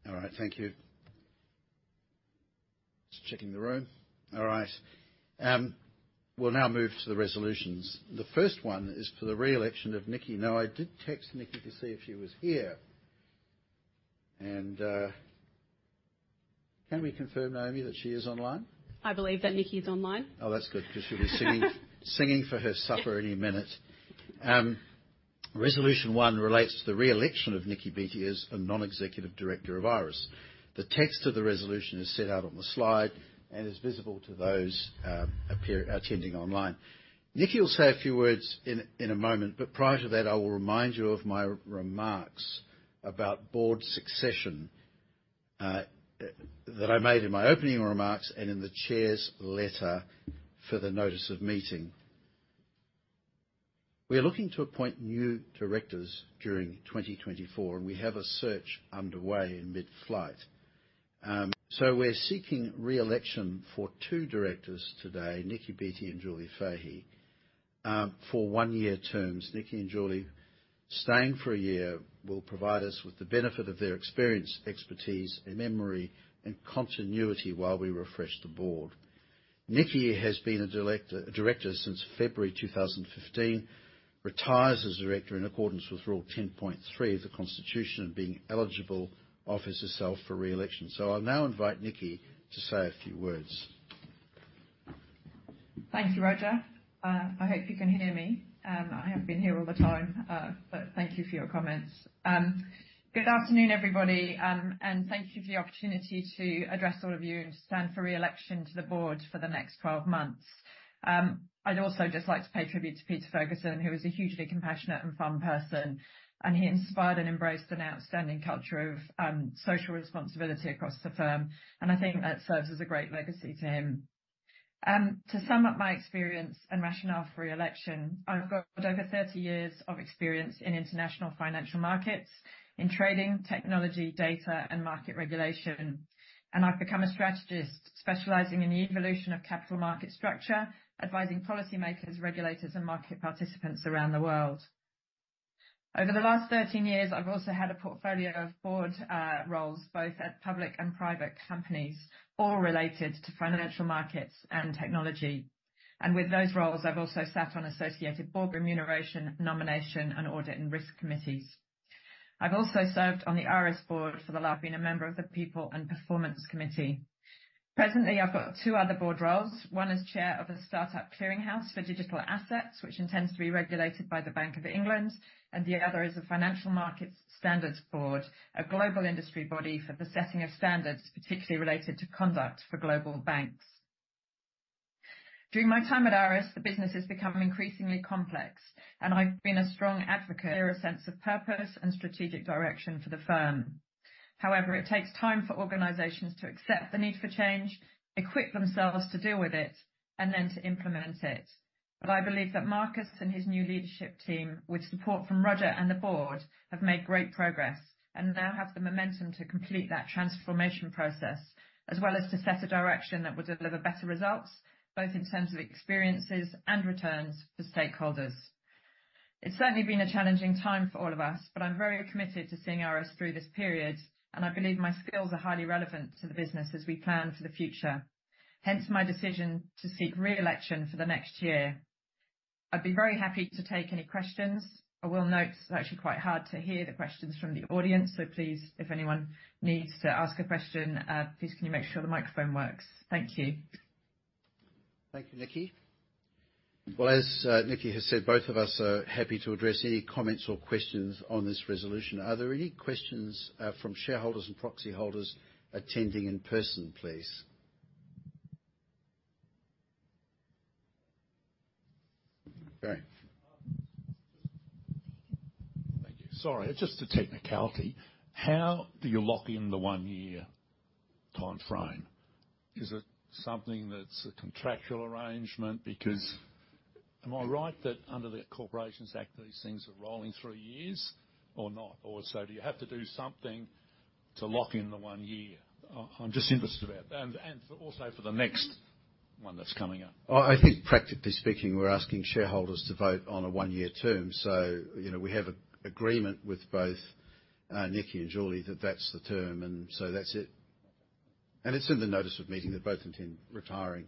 questions. All right. Thank you. Just checking the room. All right, we'll now move to the resolutions. The first one is for the re-election of Niki. Now, I did text Niki to see if she was here, and can we confirm, Naomi, that she is online? I believe that Niki is online. Oh, that's good, because she'll be singing, singing for her supper any minute. Resolution one relates to the re-election of Niki Beattie as a non-executive director of Iress. The text of the resolution is set out on the slide and is visible to those attending online. Niki will say a few words in a moment, but prior to that, I will remind you of my remarks about board succession that I made in my opening remarks and in the chair's letter for the notice of meeting. We are looking to appoint new directors during 2024, and we have a search underway in mid-flight. So we're seeking re-election for two directors today, Niki Beattie and Julie Fahey, for one-year terms. Niki and Julie, staying for a year, will provide us with the benefit of their experience, expertise, and memory, and continuity while we refresh the board. Niki has been a director, a director since February 2015, retires as a director in accordance with Rule 10.3 of the Constitution, and being eligible, offers herself for re-election. So I'll now invite Niki to say a few words. Thank you, Roger. I hope you can hear me. I have been here all the time, but thank you for your comments. Good afternoon, everybody, and thank you for the opportunity to address all of you and to stand for re-election to the board for the next 12 months. I'd also just like to pay tribute to Peter Ferguson, who was a hugely compassionate and fun person, and he inspired and embraced an outstanding culture of social responsibility across the firm, and I think that serves as a great legacy to him. To sum up my experience and rationale for re-election, I've got over 30 years of experience in international financial markets, in trading, technology, data, and market regulation, and I've become a strategist specializing in the evolution of capital market structure, advising policymakers, regulators, and market participants around the world. Over the last 13 years, I've also had a portfolio of board roles, both at public and private companies, all related to financial markets and technology. With those roles, I've also sat on associated board remuneration, nomination, and audit and risk committees. I've also served on the Iress Board, for the last being a member of the People and Performance Committee. Presently, I've got two other board roles. One is chair of a start-up clearinghouse for digital assets, which intends to be regulated by the Bank of England, and the other is the Financial Markets Standards Board, a global industry body for the setting of standards, particularly related to conduct for global banks. During my time at Iress, the business has become increasingly complex, and I've been a strong advocate for a sense of purpose and strategic direction for the firm. However, it takes time for organizations to accept the need for change, equip themselves to deal with it, and then to implement it. But I believe that Marcus and his new leadership team, with support from Roger and the board, have made great progress and now have the momentum to complete that transformation process, as well as to set a direction that will deliver better results, both in terms of experiences and returns for stakeholders. It's certainly been a challenging time for all of us, but I'm very committed to seeing Iress through this period, and I believe my skills are highly relevant to the business as we plan for the future, hence my decision to seek re-election for the next year. I'd be very happy to take any questions. I will note it's actually quite hard to hear the questions from the audience, so please, if anyone needs to ask a question, please can you make sure the microphone works? Thank you. Thank you, Niki. Well, as, Niki has said, both of us are happy to address any comments or questions on this resolution. Are there any questions, from shareholders and proxy holders attending in person, please? Okay. Thank you. Sorry, just a technicality. How do you lock in the one-year time frame? Is it something that's a contractual arrangement? Because am I right that under the Corporations Act, these things are rolling three years or not? Or so do you have to do something to lock in the one year? I'm just interested about, and also for the next one that's coming up. I think practically speaking, we're asking shareholders to vote on a one-year term. So, you know, we have an agreement with both, Niki and Julie that that's the term, and so that's it. And it's in the Notice of Meeting. They both intend retiring,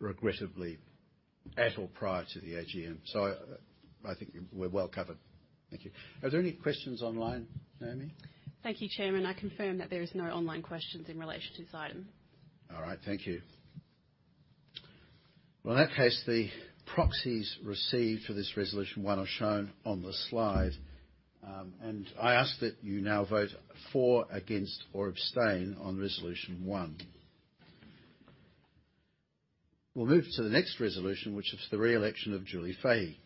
regrettably, at or prior to the AGM. So I think we're well covered. Thank you. Are there any questions online, Naomi? Thank you, Chairman. I confirm that there is no online questions in relation to this item. All right. Thank you. Well, in that case, the proxies received for this resolution one are shown on the slide, and I ask that you now vote for, against, or abstain on resolution one. We'll move to the next resolution, which is the re-election of Julie Fahey.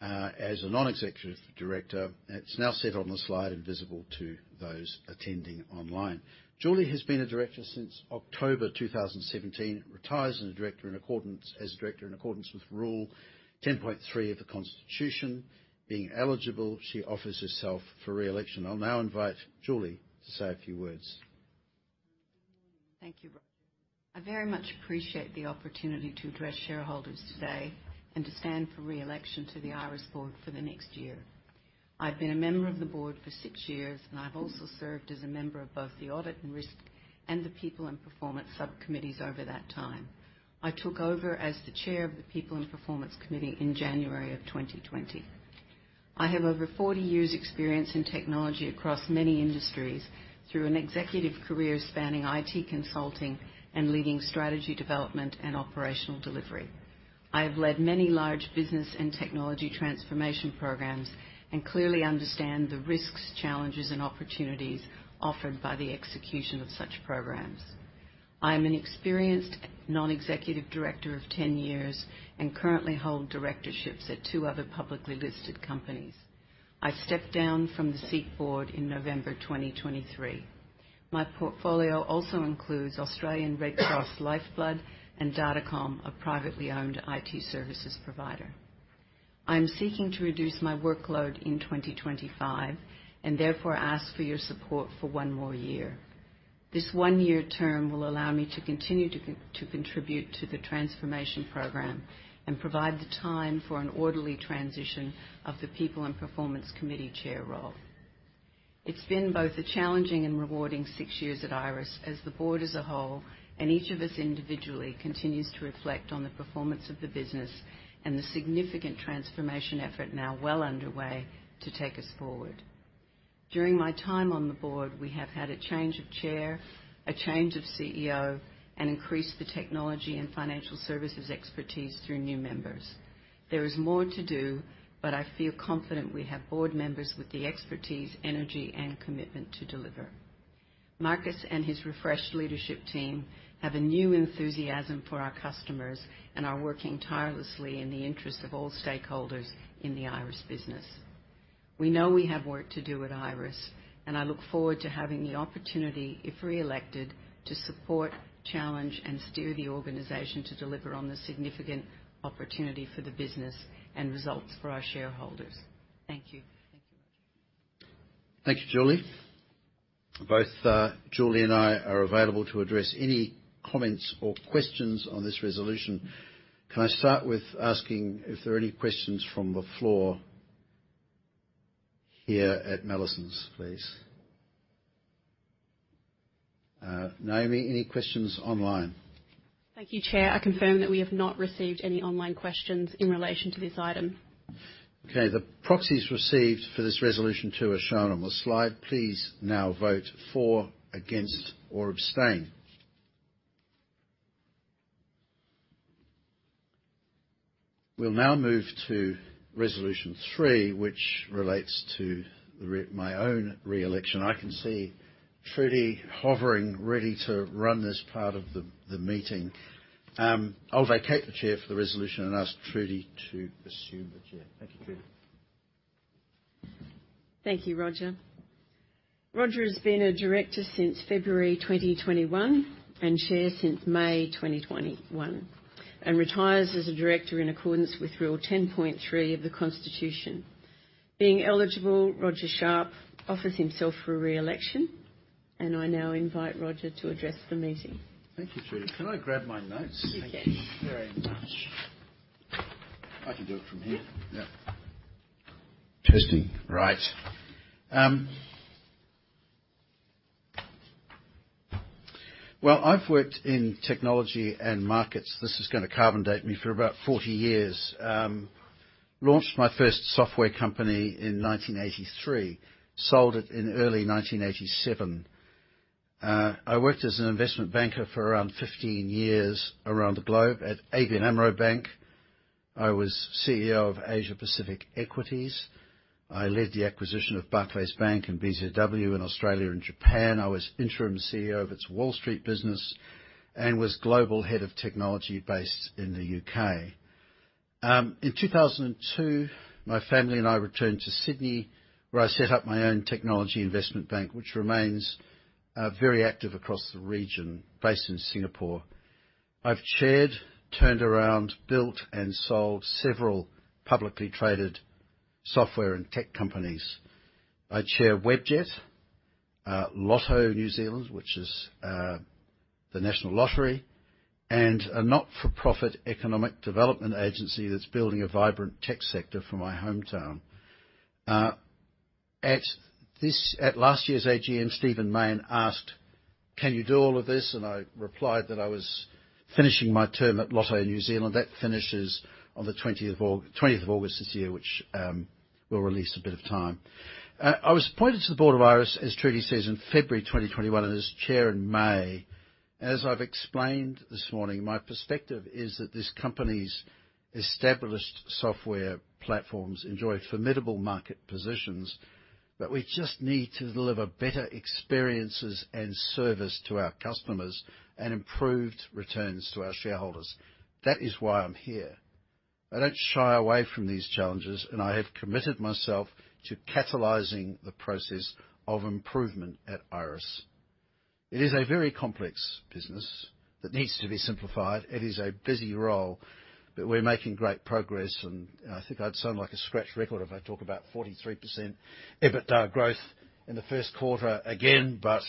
As a non-executive director, it's now set on the slide and visible to those attending online. Julie has been a director since October 2017, retires as a director in accordance with Rule 10.3 of the Constitution. Being eligible, she offers herself for re-election. I'll now invite Julie to say a few words. Thank you, Roger. I very much appreciate the opportunity to address shareholders today and to stand for re-election to the Iress Board for the next year. I've been a member of the board for six years, and I've also served as a member of both the Audit and Risk and the People and Performance Subcommittees over that time. I took over as the Chair of the People and Performance Committee in January of 2020. I have over 40 years' experience in technology across many industries through an executive career spanning IT consulting and leading strategy development and operational delivery. I have led many large business and technology transformation programs and clearly understand the risks, challenges, and opportunities offered by the execution of such programs. I am an experienced non-executive director of 10 years and currently hold directorships at two other publicly listed companies. I stepped down from the SEEK Board in November 2023. My portfolio also includes Australian Red Cross Lifeblood and Datacom, a privately owned IT services provider. I'm seeking to reduce my workload in 2025 and therefore ask for your support for one more year. This one-year term will allow me to continue to contribute to the transformation program and provide the time for an orderly transition of the People and Performance Committee chair role. It's been both a challenging and rewarding six years at Iress as the board as a whole, and each of us individually continues to reflect on the performance of the business and the significant transformation effort now well underway to take us forward. During my time on the board, we have had a change of chair, a change of CEO, and increased the technology and financial services expertise through new members. There is more to do, but I feel confident we have board members with the expertise, energy, and commitment to deliver. Marcus and his refreshed leadership team have a new enthusiasm for our customers and are working tirelessly in the interest of all stakeholders in the Iress business. We know we have work to do at Iress, and I look forward to having the opportunity, if re-elected, to support, challenge, and steer the organization to deliver on the significant opportunity for the business and results for our shareholders. Thank you. Thank you very much. Thank you, Julie. Both, Julie and I are available to address any comments or questions on this resolution. Can I start with asking if there are any questions from the floor here at Mallesons, please? Naomi, any questions online? Thank you, Chair. I confirm that we have not received any online questions in relation to this item. Okay. The proxies received for this resolution two are shown on the slide. Please now vote for, against, or abstain. We'll now move to resolution three, which relates to my own re-election. I can see Trudy hovering, ready to run this part of the meeting. I'll vacate the chair for the resolution and ask Trudy to assume the chair. Thank you, Trudy. Thank you, Roger. Roger has been a director since February 2021 and chair since May 2021, and retires as a director in accordance with rule 10.3 of the Constitution. Being eligible, Roger Sharp offers himself for re-election, and I now invite Roger to address the meeting. Thank you, Trudy. Can I grab my notes? You can. Thank you very much. I can do it from here. Yeah. Testing. Right. I've worked in technology and markets, this is going to carbon date me, for about 40 years. Launched my first software company in 1983, sold it in early 1987. I worked as an investment banker for around 15 years around the globe at ABN AMRO Bank. I was CEO of Asia Pacific Equities. I led the acquisition of Barclays Bank and BZW in Australia and Japan. I was interim CEO of its Wall Street business and was global head of technology based in the U.K. In 2002, my family and I returned to Sydney, where I set up my own technology investment bank, which remains very active across the region, based in Singapore. I've chaired, turned around, built and sold several publicly traded software and tech companies. I chair Webjet, Lotto New Zealand, which is the national lottery, and a not-for-profit economic development agency that's building a vibrant tech sector for my hometown. At last year's AGM, Stephen Mayne asked: "Can you do all of this?" I replied that I was finishing my term at Lotto New Zealand. That finishes on the 20th of August this year, which will release a bit of time. I was appointed to the board of Iress, as Trudy says, in February 2021, and as chair in May. As I've explained this morning, my perspective is that this company's established software platforms enjoy formidable market positions, but we just need to deliver better experiences and service to our customers and improved returns to our shareholders. That is why I'm here. I don't shy away from these challenges, and I have committed myself to catalyzing the process of improvement at Iress. It is a very complex business that needs to be simplified. It is a busy role, but we're making great progress, and I think I'd sound like a scratch record if I talk about 43% EBITDA growth in the Q1 again, but,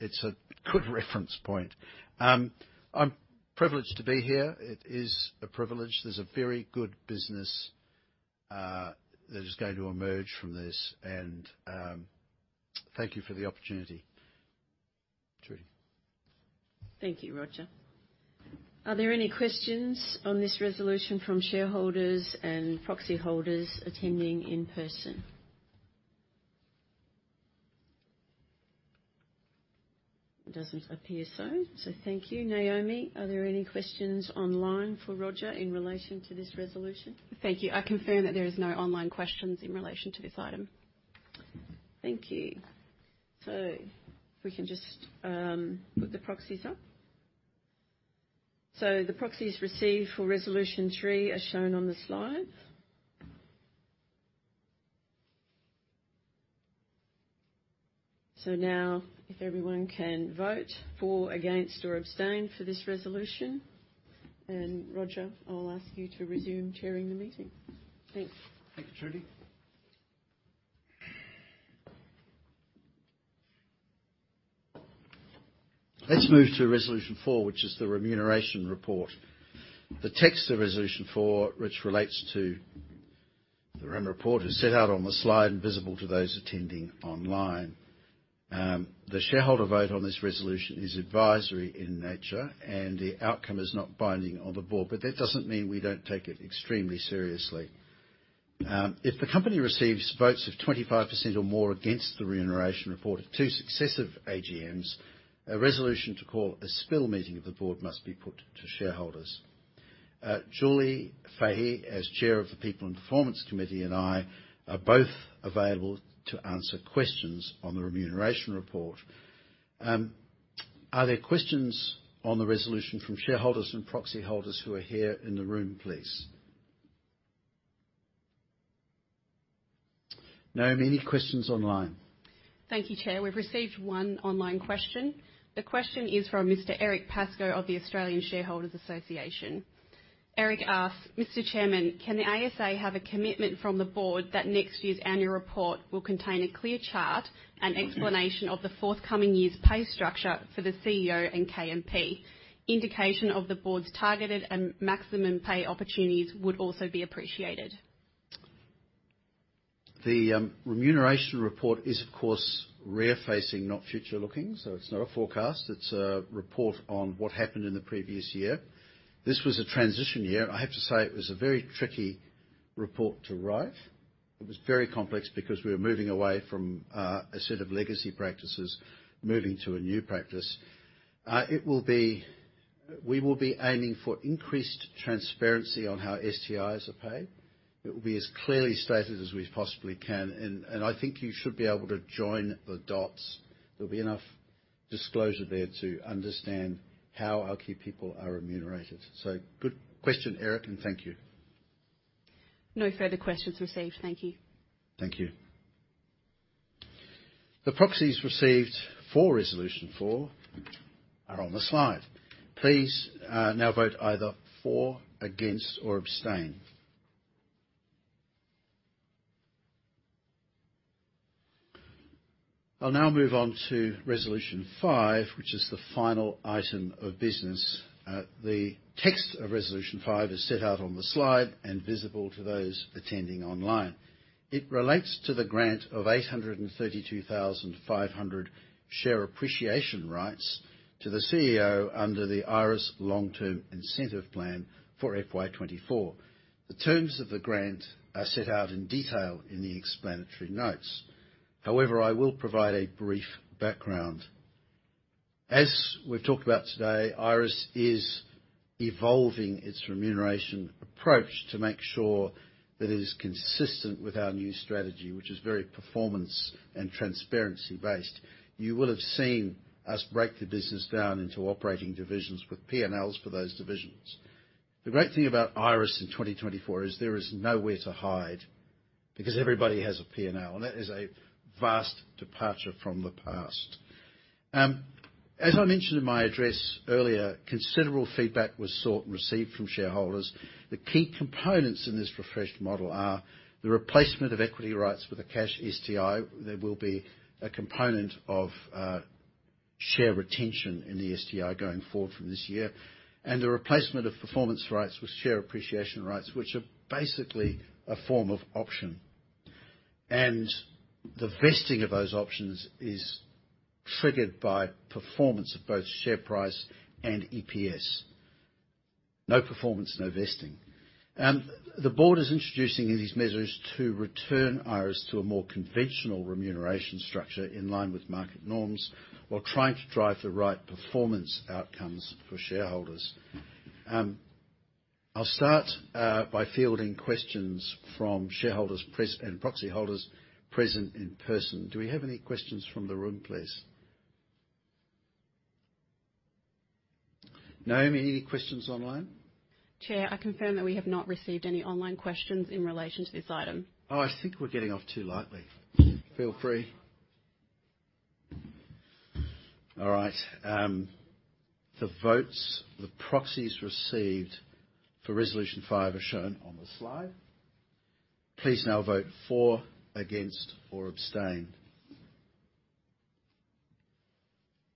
it's a good reference point. I'm privileged to be here. It is a privilege. There's a very good business, that is going to emerge from this, and, thank you for the opportunity. Trudy? Thank you, Roger. Are there any questions on this resolution from shareholders and proxy holders attending in person? It doesn't appear so. So thank you. Naomi, are there any questions online for Roger in relation to this resolution? Thank you. I confirm that there is no online questions in relation to this item. Thank you. So if we can just put the proxies up. So the proxies received for resolution three are shown on the slide. So now, if everyone can vote for, against, or abstain for this resolution. And Roger, I'll ask you to resume chairing the meeting. Thanks. Thank you, Trudy. Let's move to resolution four, which is the remuneration report. The text of resolution four, which relates to the rem report, is set out on the slide and visible to those attending online. The shareholder vote on this resolution is advisory in nature, and the outcome is not binding on the board, but that doesn't mean we don't take it extremely seriously. If the company receives votes of 25% or more against the remuneration report at two successive AGMs, a resolution to call a spill meeting of the board must be put to shareholders. Julie Fahey, as chair of the People and Performance Committee, and I are both available to answer questions on the remuneration report. Are there questions on the resolution from shareholders and proxy holders who are here in the room, please? Naomi, any questions online? Thank you, Chair. We've received one online question. The question is from Mr. Eric Pascoe of the Australian Shareholders' Association. Eric asks: "Mr. Chairman, can the ASA have a commitment from the board that next year's annual report will contain a clear chart and explanation of the forthcoming year's pay structure for the CEO and KMP? Indication of the board's targeted and maximum pay opportunities would also be appreciated. The remuneration report is, of course, rear-facing, not future-looking, so it's not a forecast. It's a report on what happened in the previous year. This was a transition year. I have to say it was a very tricky report to write. It was very complex because we were moving away from a set of legacy practices, moving to a new practice. It will be. We will be aiming for increased transparency on how STIs are paid. It will be as clearly stated as we possibly can, and, and I think you should be able to join the dots. There'll be enough disclosure there to understand how our key people are remunerated. So good question, Eric, and thank you. No further questions received. Thank you. Thank you. The proxies received for resolution four are on the slide. Please, now vote either for, against, or abstain. I'll now move on to resolution five, which is the final item of business. The text of resolution five is set out on the slide and visible to those attending online. It relates to the grant of 832,500 share appreciation rights to the CEO under the Iress Long Term Incentive Plan for FY 2024. The terms of the grant are set out in detail in the explanatory notes. However, I will provide a brief background. As we've talked about today, Iress is evolving its remuneration approach to make sure that it is consistent with our new strategy, which is very performance and transparency-based. You will have seen us break the business down into operating divisions with P&Ls for those divisions. The great thing about Iress in 2024 is there is nowhere to hide, because everybody has a P&L, and that is a vast departure from the past. As I mentioned in my address earlier, considerable feedback was sought and received from shareholders. The key components in this refreshed model are the replacement of equity rights with a cash STI. There will be a component of share retention in the STI going forward from this year, and the replacement of performance rights with share appreciation rights, which are basically a form of option. The vesting of those options is triggered by performance of both share price and EPS. No performance, no vesting. The board is introducing these measures to return Iress to a more conventional remuneration structure in line with market norms, while trying to drive the right performance outcomes for shareholders. I'll start by fielding questions from shareholders present and proxy holders present in person. Do we have any questions from the room, please? Naomi, any questions online? Chair, I confirm that we have not received any online questions in relation to this item. Oh, I think we're getting off too lightly. Feel free. All right, the votes, the proxies received for resolution five are shown on the slide. Please now vote for, against, or abstain.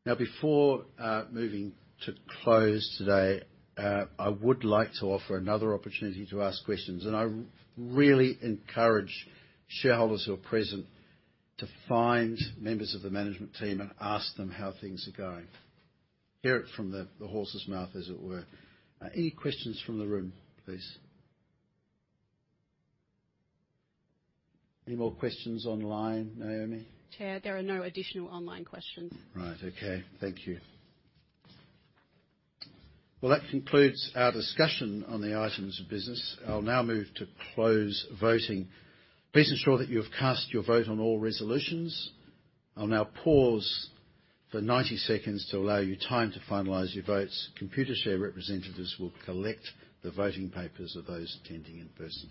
Now, before moving to close today, I would like to offer another opportunity to ask questions, and I really encourage shareholders who are present to find members of the management team and ask them how things are going. Hear it from the horse's mouth, as it were. Any questions from the room, please? Any more questions online, Naomi? Chair, there are no additional online questions. Right. Okay. Thank you. Well, that concludes our discussion on the items of business. I'll now move to close voting. Please ensure that you have cast your vote on all resolutions. I'll now pause for 90 seconds to allow you time to finalize your votes. Computershare representatives will collect the voting papers of those attending in person.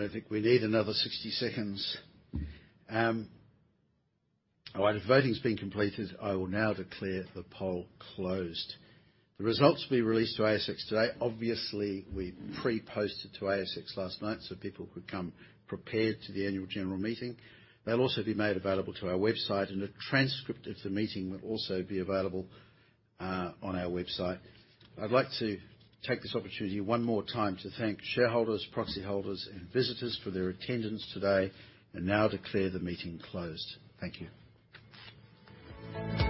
Thank you. Yeah. I don't think we need another 60 seconds. All right, if voting's been completed, I will now declare the poll closed. The results will be released to ASX today. Obviously, we pre-posted to ASX last night so people could come prepared to the annual general meeting. They'll also be made available to our website, and a transcript of the meeting will also be available on our website. I'd like to take this opportunity one more time to thank shareholders, proxy holders, and visitors for their attendance today, and now declare the meeting closed. Thank you.